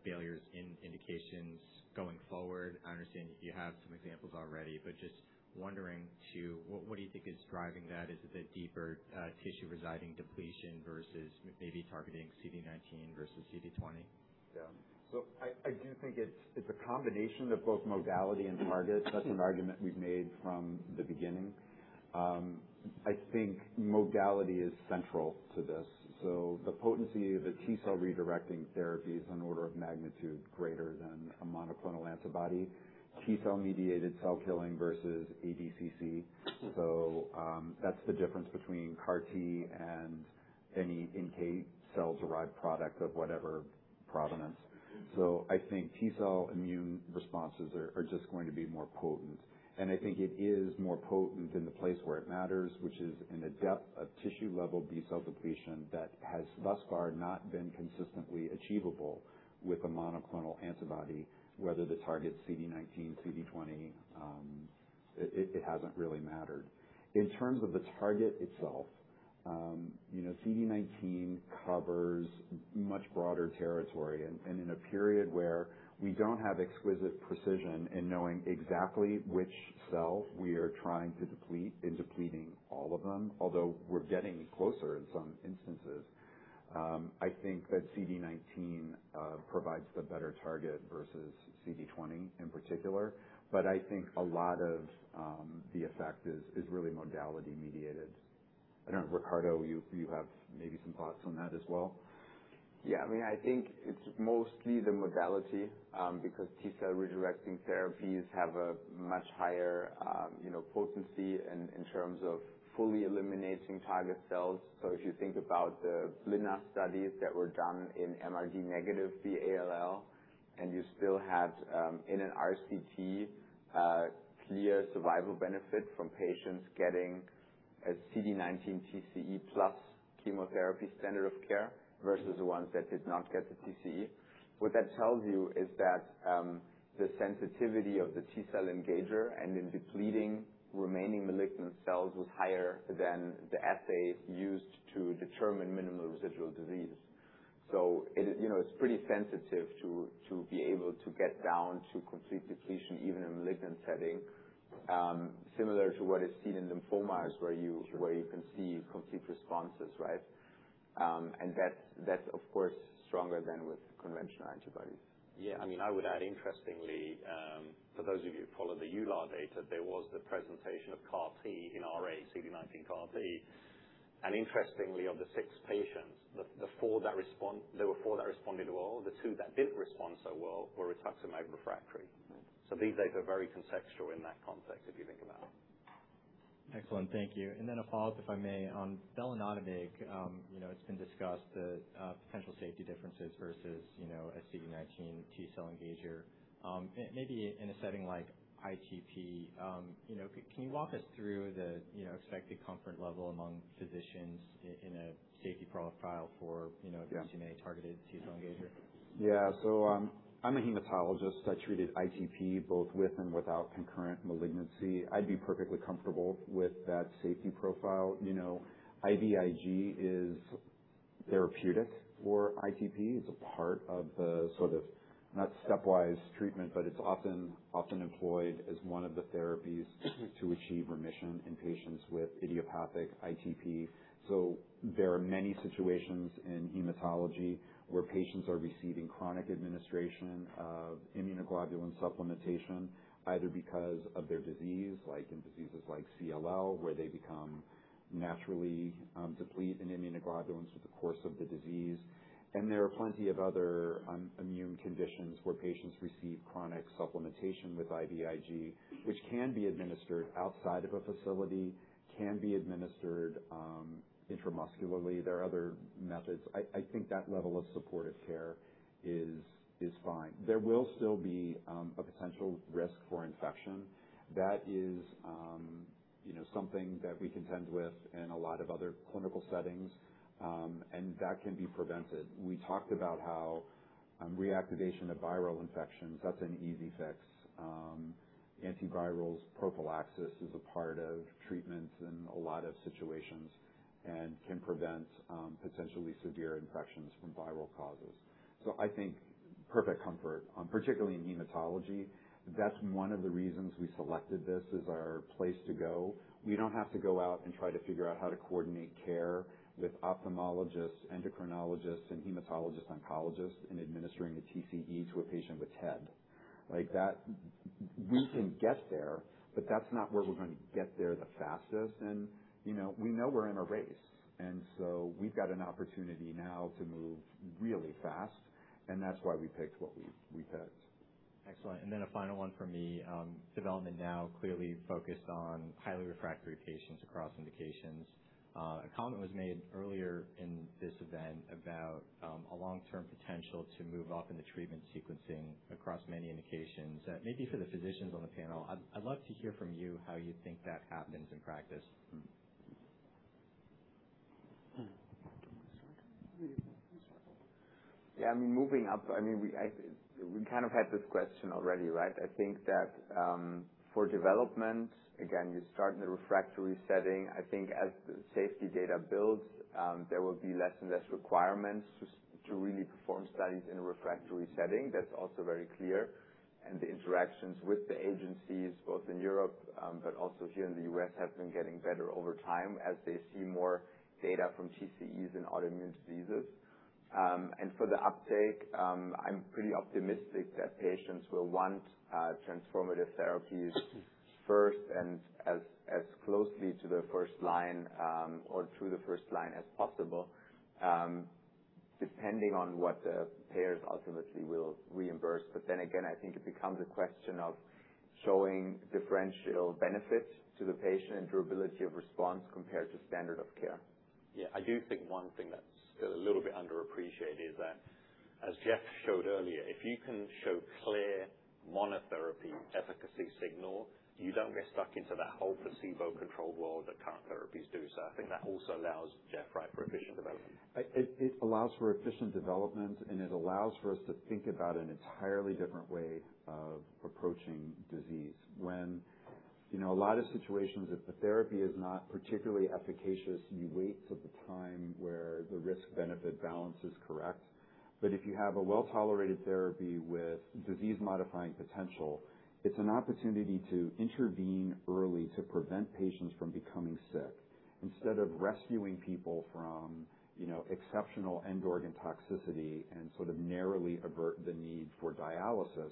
failures in indications going forward? I understand you have some examples already, but just wondering too, what do you think is driving that? Is it the deeper tissue residing depletion versus maybe targeting CD19 versus CD20? I do think it's a combination of both modality and target. That's an argument we've made from the beginning. I think modality is central to this. The potency of the T-cell redirecting therapy is an order of magnitude greater than a monoclonal antibody. T-cell mediated cell killing versus ADCC. That's the difference between CAR T and any NK cells-derived product of whatever provenance. I think T-cell immune responses are just going to be more potent. I think it is more potent in the place where it matters, which is in the depth of tissue-level B-cell depletion that has thus far not been consistently achievable with a monoclonal antibody. Whether the target's CD19, CD20, it hasn't really mattered. In terms of the target itself, CD19 covers much broader territory. In a period where we don't have exquisite precision in knowing exactly which cell we are trying to deplete in depleting all of them, although we're getting closer in some instances, I think that CD19 provides the better target versus CD20 in particular. I think a lot of the effect is really modality-mediated. I don't know, Ricardo, you have maybe some thoughts on that as well? I think it's mostly the modality, because T-cell redirecting therapies have a much higher potency in terms of fully eliminating target cells. If you think about the blinatumomab studies that were done in MRD-negative B-ALL, you still had, in an RCT, clear survival benefit from patients getting a CD19 TCE plus chemotherapy standard of care versus the ones that did not get the TCE. What that tells you is that the sensitivity of the T-cell engager in depleting remaining malignant cells was higher than the assays used to determine minimal residual disease. It's pretty sensitive to be able to get down to complete depletion, even in malignant setting, similar to what is seen in lymphomas where you can see complete responses, right? That's, of course, stronger than with conventional antibodies. Yeah. I would add, interestingly, for those of you who follow the EULAR data, there was the presentation of CAR T in RA CD19 CAR T. Interestingly, of the six patients, there were four that responded well. The two that didn't respond so well were rituximab refractory. These data are very conceptual in that context, if you think about it. Excellent. Thank you. Then a follow-up, if I may. On velinotamig, it's been discussed the potential safety differences versus a CD19 T-cell engager. Maybe in a setting like ITP, can you walk us through the expected comfort level among physicians in a safety profile for- Yeah a BCMA-targeted T-cell engager? Yeah. I'm a hematologist. I treated ITP both with and without concurrent malignancy. I'd be perfectly comfortable with that safety profile. IVIG is therapeutic for ITP is a part of the sort of, not stepwise treatment, but it's often employed as one of the therapies to achieve remission in patients with idiopathic ITP. There are many situations in hematology where patients are receiving chronic administration of immunoglobulin supplementation, either because of their disease, like in diseases like CLL, where they become naturally deplete in immunoglobulins with the course of the disease. There are plenty of other immune conditions where patients receive chronic supplementation with IVIG, which can be administered outside of a facility, can be administered intramuscularly. There are other methods. I think that level of supportive care is fine. There will still be a potential risk for infection. That is something that we contend with in a lot of other clinical settings. That can be prevented. We talked about how reactivation of viral infections, that's an easy fix. Antivirals, prophylaxis is a part of treatments in a lot of situations and can prevent potentially severe infections from viral causes. I think perfect comfort, particularly in hematology. That's one of the reasons we selected this as our place to go. We don't have to go out and try to figure out how to coordinate care with ophthalmologists, endocrinologists, and hematologist oncologists in administering a TCE to a patient with TED. We can get there, but that's not where we're going to get there the fastest. We know we're in a race, we've got an opportunity now to move really fast, and that's why we picked what we picked. Excellent. Then a final one from me. Development now clearly focused on highly refractory patients across indications. A comment was made earlier in this event about a long-term potential to move up in the treatment sequencing across many indications. Maybe for the physicians on the panel, I'd love to hear from you how you think that happens in practice. You start. Moving up, we kind of had this question already, right? I think that for development, again, you start in the refractory setting. I think as the safety data builds, there will be less and less requirements to really perform studies in a refractory setting. That's also very clear. The interactions with the agencies, both in Europe, but also here in the U.S., have been getting better over time as they see more data from TCEs in autoimmune diseases. For the uptake, I'm pretty optimistic that patients will want transformative therapies first and as closely to the first line, or through the first line as possible, depending on what the payers ultimately will reimburse. I think it becomes a question of showing differential benefit to the patient and durability of response compared to standard of care. Yeah, I do think one thing that's still a little bit underappreciated is that, as Jeff showed earlier, if you can show clear monotherapy efficacy signal, you don't get stuck into that whole placebo-controlled world that current therapies do. I think that also allows, Jeff, right, for efficient development. It allows for efficient development, and it allows for us to think about an entirely different way of approaching disease. When a lot of situations, if the therapy is not particularly efficacious, you wait till the time where the risk-benefit balance is correct. If you have a well-tolerated therapy with disease-modifying potential, it's an opportunity to intervene early to prevent patients from becoming sick. Instead of rescuing people from exceptional end-organ toxicity and sort of narrowly avert the need for dialysis,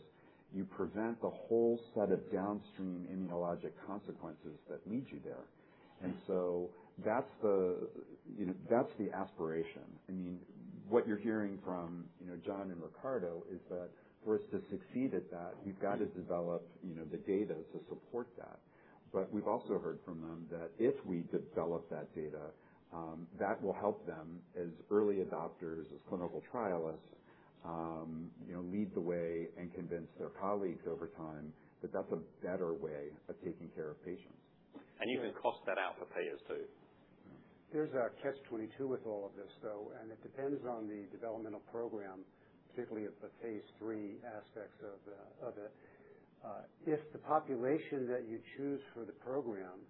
you prevent the whole set of downstream immunologic consequences that lead you there. That's the aspiration. What you're hearing from John and Ricardo is that for us to succeed at that, we've got to develop the data to support that. We've also heard from them that if we develop that data, that will help them as early adopters, as clinical trialists, lead the way and convince their colleagues over time that that's a better way of taking care of patients. You can cost that out for payers, too. There is a catch-22 with all of this, though, and it depends on the developmental program, particularly at the phase III aspects of it. If the population that you choose for the program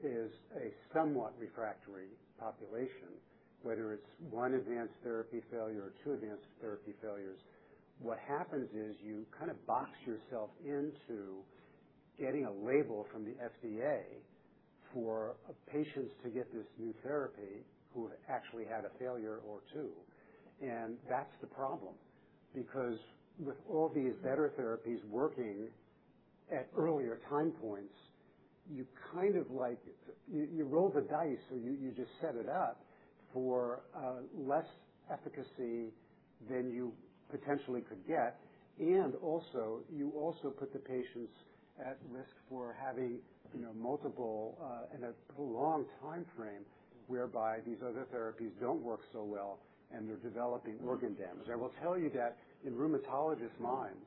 is a somewhat refractory population, whether it is one advanced therapy failure or two advanced therapy failures, what happens is you kind of box yourself into getting a label from the FDA for patients to get this new therapy who have actually had a failure or two. And that is the problem, because with all these better therapies working at earlier time points, you roll the dice or you just set it up for less efficacy than you potentially could get. You also put the patients at risk for having multiple in a prolonged timeframe whereby these other therapies don't work so well and they're developing organ damage. I will tell you that in rheumatologists' minds,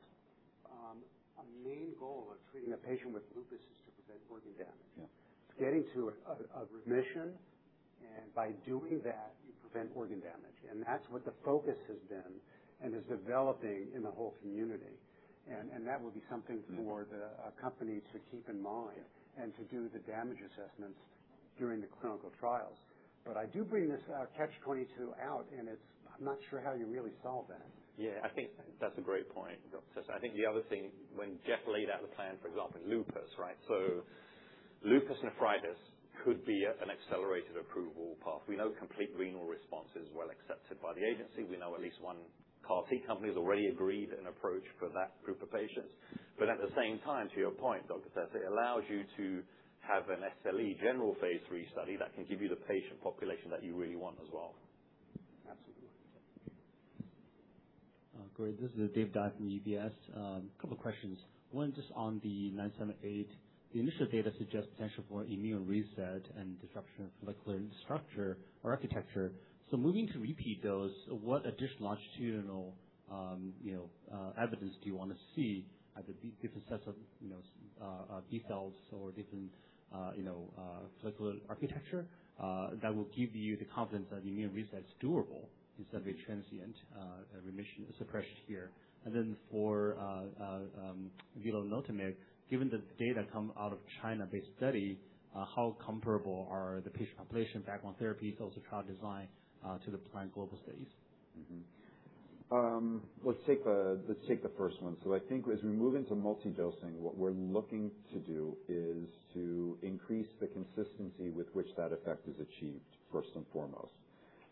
a main goal of treating a patient with lupus is to prevent organ damage. Yeah. It is getting to a remission, and by doing that, you prevent organ damage. And that is what the focus has been and is developing in the whole community. And that will be something for the companies to keep in mind and to do the damage assessments during the clinical trials. But I do bring this catch-22 out, and I am not sure how you really solve that. Yeah, I think that is a great point, Dr. Tesser. I think the other thing, when Jeff laid out the plan, for example, lupus. So lupus nephritis could be an accelerated approval path. We know complete renal response is well accepted by the agency. We know at least one CAR T company has already agreed an approach for that group of patients. But at the same time, to your point, Dr. Tesser, it allows you to have an SLE general phase III study that can give you the patient population that you really want as well. Absolutely. Great. This is David Dai from UBS. A couple questions. One, just on the CLN-978, the initial data suggests potential for immune reset and disruption of follicular structure or architecture. Moving to repeat those, what additional longitudinal evidence do you want to see at the different sets of B cells or different follicular architecture that will give you the confidence that immune reset is durable instead of a transient remission suppression here? Then for velinotamig, given the data come out of China-based study, how comparable are the patient population background therapy, the trial design, to the planned global studies? Let's take the first one. I think as we move into multi-dosing, what we're looking to do is to increase the consistency with which that effect is achieved, first and foremost.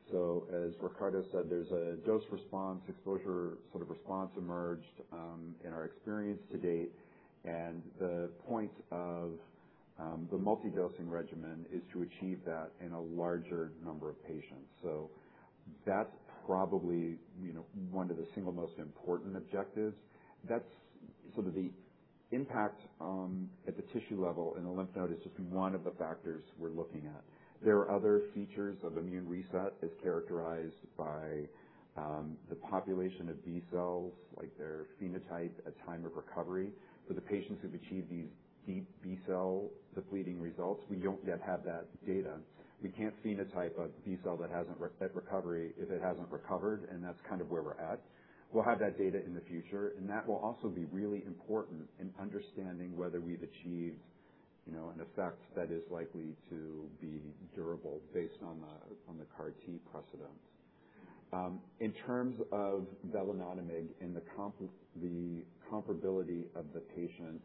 As Ricardo said, there's a dose response, exposure sort of response emerged in our experience to date. The point of the multi-dosing regimen is to achieve that in a larger number of patients. That's probably one of the single most important objectives. The impact at the tissue level in the lymph node is just one of the factors we're looking at. There are other features of immune reset as characterized by the population of B cells, like their phenotype at time of recovery. For the patients who've achieved these deep B-cell depleting results, we don't yet have that data. We can't phenotype a B cell at recovery if it hasn't recovered, and that's kind of where we're at. We'll have that data in the future, and that will also be really important in understanding whether we've achieved an effect that is likely to be durable based on the CAR T precedence. In terms of velinotamig and the comparability of the patients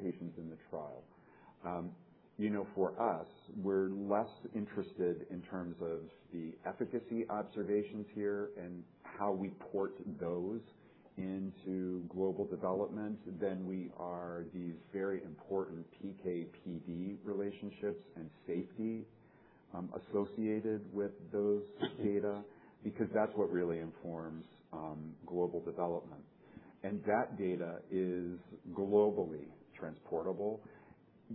in the trial. For us, we're less interested in terms of the efficacy observations here and how we port those into global development than we are these very important PK/PD relationships and safety associated with those data, because that's what really informs global development. That data is globally transportable.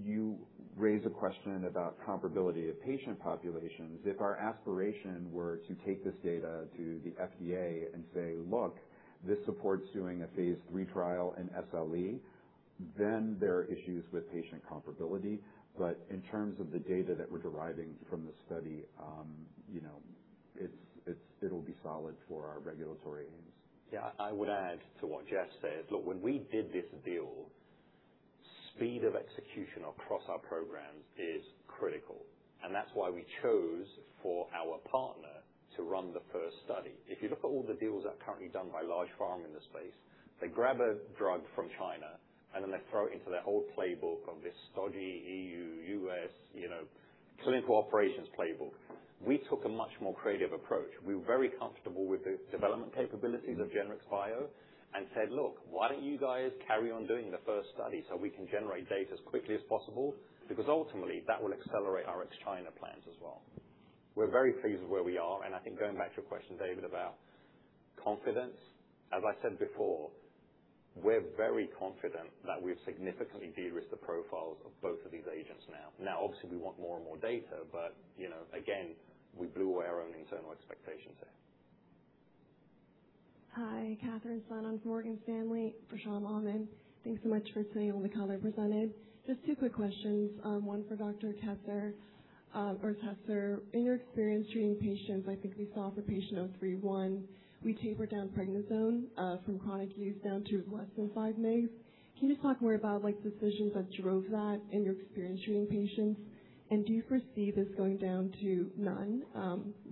You raise a question about comparability of patient populations. If our aspiration were to take this data to the FDA and say, "Look, this supports doing a phase III trial in SLE," then there are issues with patient comparability. In terms of the data that we're deriving from the study, it'll be solid for our regulatory aims. Yeah, I would add to what Jeff said. Look, when we did this deal, speed of execution across our programs is critical, and that's why we chose for our partner to run the first study. If you look at all the deals that are currently done by large pharma in the space, they grab a drug from China and then they throw it into their old playbook of this stodgy E.U., U.S. clinical operations playbook. We took a much more creative approach. We were very comfortable with the development capabilities of Genrix Bio and said, "Look, why don't you guys carry on doing the first study so we can generate data as quickly as possible?" Ultimately, that will accelerate our ex-China plans as well. We're very pleased with where we are, and I think going back to your question, David, about confidence, as I said before, we're very confident that we've significantly de-risked the profiles of both of these agents now. Now, obviously, we want more and more data, again, we blew away our own internal expectations here. Hi, Katherine Sun on for Morgan Stanley for Shal Ahmed. Thanks so much for today on the call you presented. Just two quick questions, one for Dr. Tesser. In your experience treating patients, I think we saw for patient 31, we taper down prednisone from chronic use down to less than 5 mg. Can you just talk more about decisions that drove that in your experience treating patients, and do you foresee this going down to none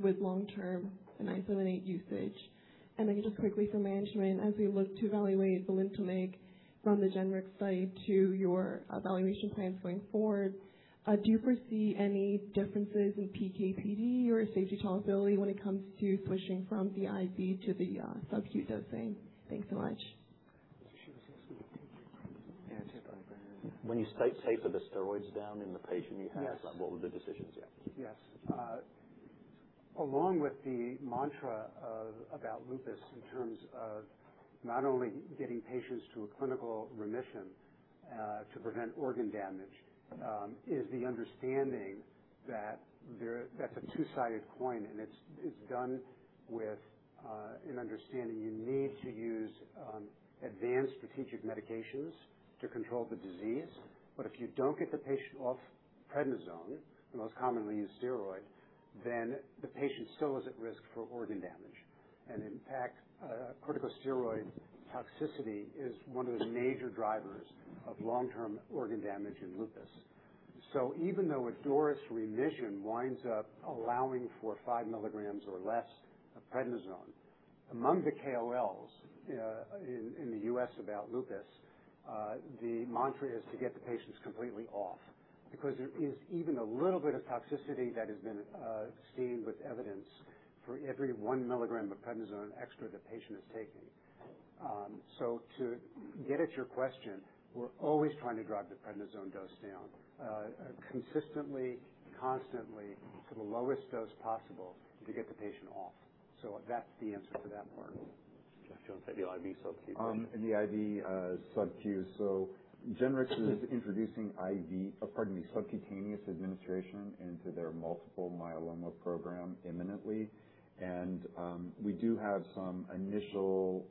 with long-term CLN-978 usage? Just quickly for management, as we look to evaluate velinotamig from the Genrix Bio study to your evaluation plans going forward, do you foresee any differences in PK/PD or safety tolerability when it comes to switching from the IV to the subcutaneous dosing? Thanks so much. She was asking about PK/PD. Yeah, I think I heard that. When you say taper the steroids down in the patient you have- Yes. What were the decisions there? Yes. Along with the mantra about lupus in terms of not only getting patients to a clinical remission to prevent organ damage, is the understanding that that's a two-sided coin, and it's done with an understanding you need to use advanced strategic medications to control the disease. If you don't get the patient off prednisone, the most commonly used steroid, then the patient still is at risk for organ damage. In fact, corticosteroid toxicity is one of the major drivers of long-term organ damage in lupus. Even though a DORIS remission winds up allowing for 5 mg or less of prednisone, among the KOLs in the U.S. about lupus, the mantra is to get the patients completely off, because there is even a little bit of toxicity that has been seen with evidence for every 1 mg of prednisone extra the patient is taking. To get at your question, we're always trying to drive the prednisone dose down consistently, constantly, to the lowest dose possible to get the patient off. That's the answer for that part. Jeff, do you want to take the IV/sub-Q? The IV/sub-Q. Cullinan is introducing IV, or pardon me, subcutaneous administration into their multiple myeloma program imminently. We do have some initial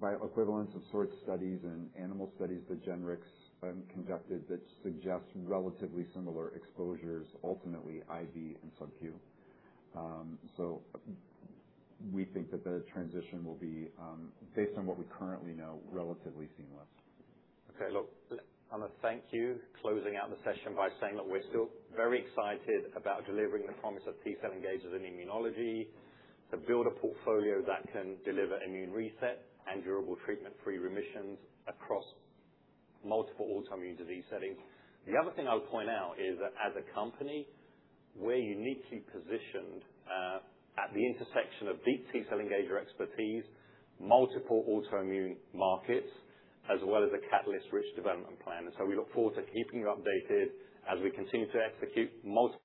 bioequivalence of sort studies and animal studies that Cullinan conducted that suggest relatively similar exposures, ultimately IV and sub-Q. We think that the transition will be, based on what we currently know, relatively seamless. Okay. Look, I'm going to thank you closing out the session by saying that we're still very excited about delivering the promise of T-cell engagers in immunology, to build a portfolio that can deliver immune reset and durable treatment-free remissions across multiple autoimmune disease settings. The other thing I would point out is that as a company, we're uniquely positioned at the intersection of deep T-cell engager expertise, multiple autoimmune markets, as well as a catalyst-rich development plan. We look forward to keeping you updated as we continue to execute multi